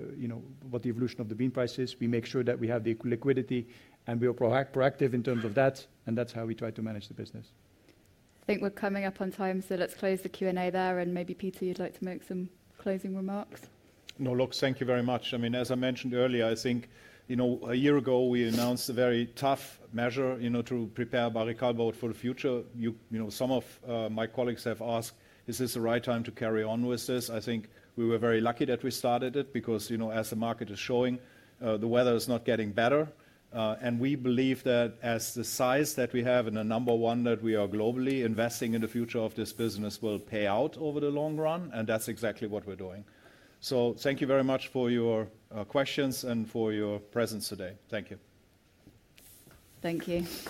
evolution of the bean price is. We make sure that we have the equal liquidity and we are proactive in terms of that. And that's how we try to manage the business. I think we're coming up on time. So let's close the Q&A there. And maybe Peter, you'd like to make some closing remarks? No, look, thank you very much. I mean, as I mentioned earlier, I think a year ago, we announced a very tough measure to prepare Barry Callebaut for the future. Some of my colleagues have asked, is this the right time to carry on with this? I think we were very lucky that we started it because as the market is showing, the weather is not getting better. And we believe that as the size that we have and the number one that we are globally investing in the future of this business will pay out over the long run. And that's exactly what we're doing. So thank you very much for your questions and for your presence today. Thank you. Thank you.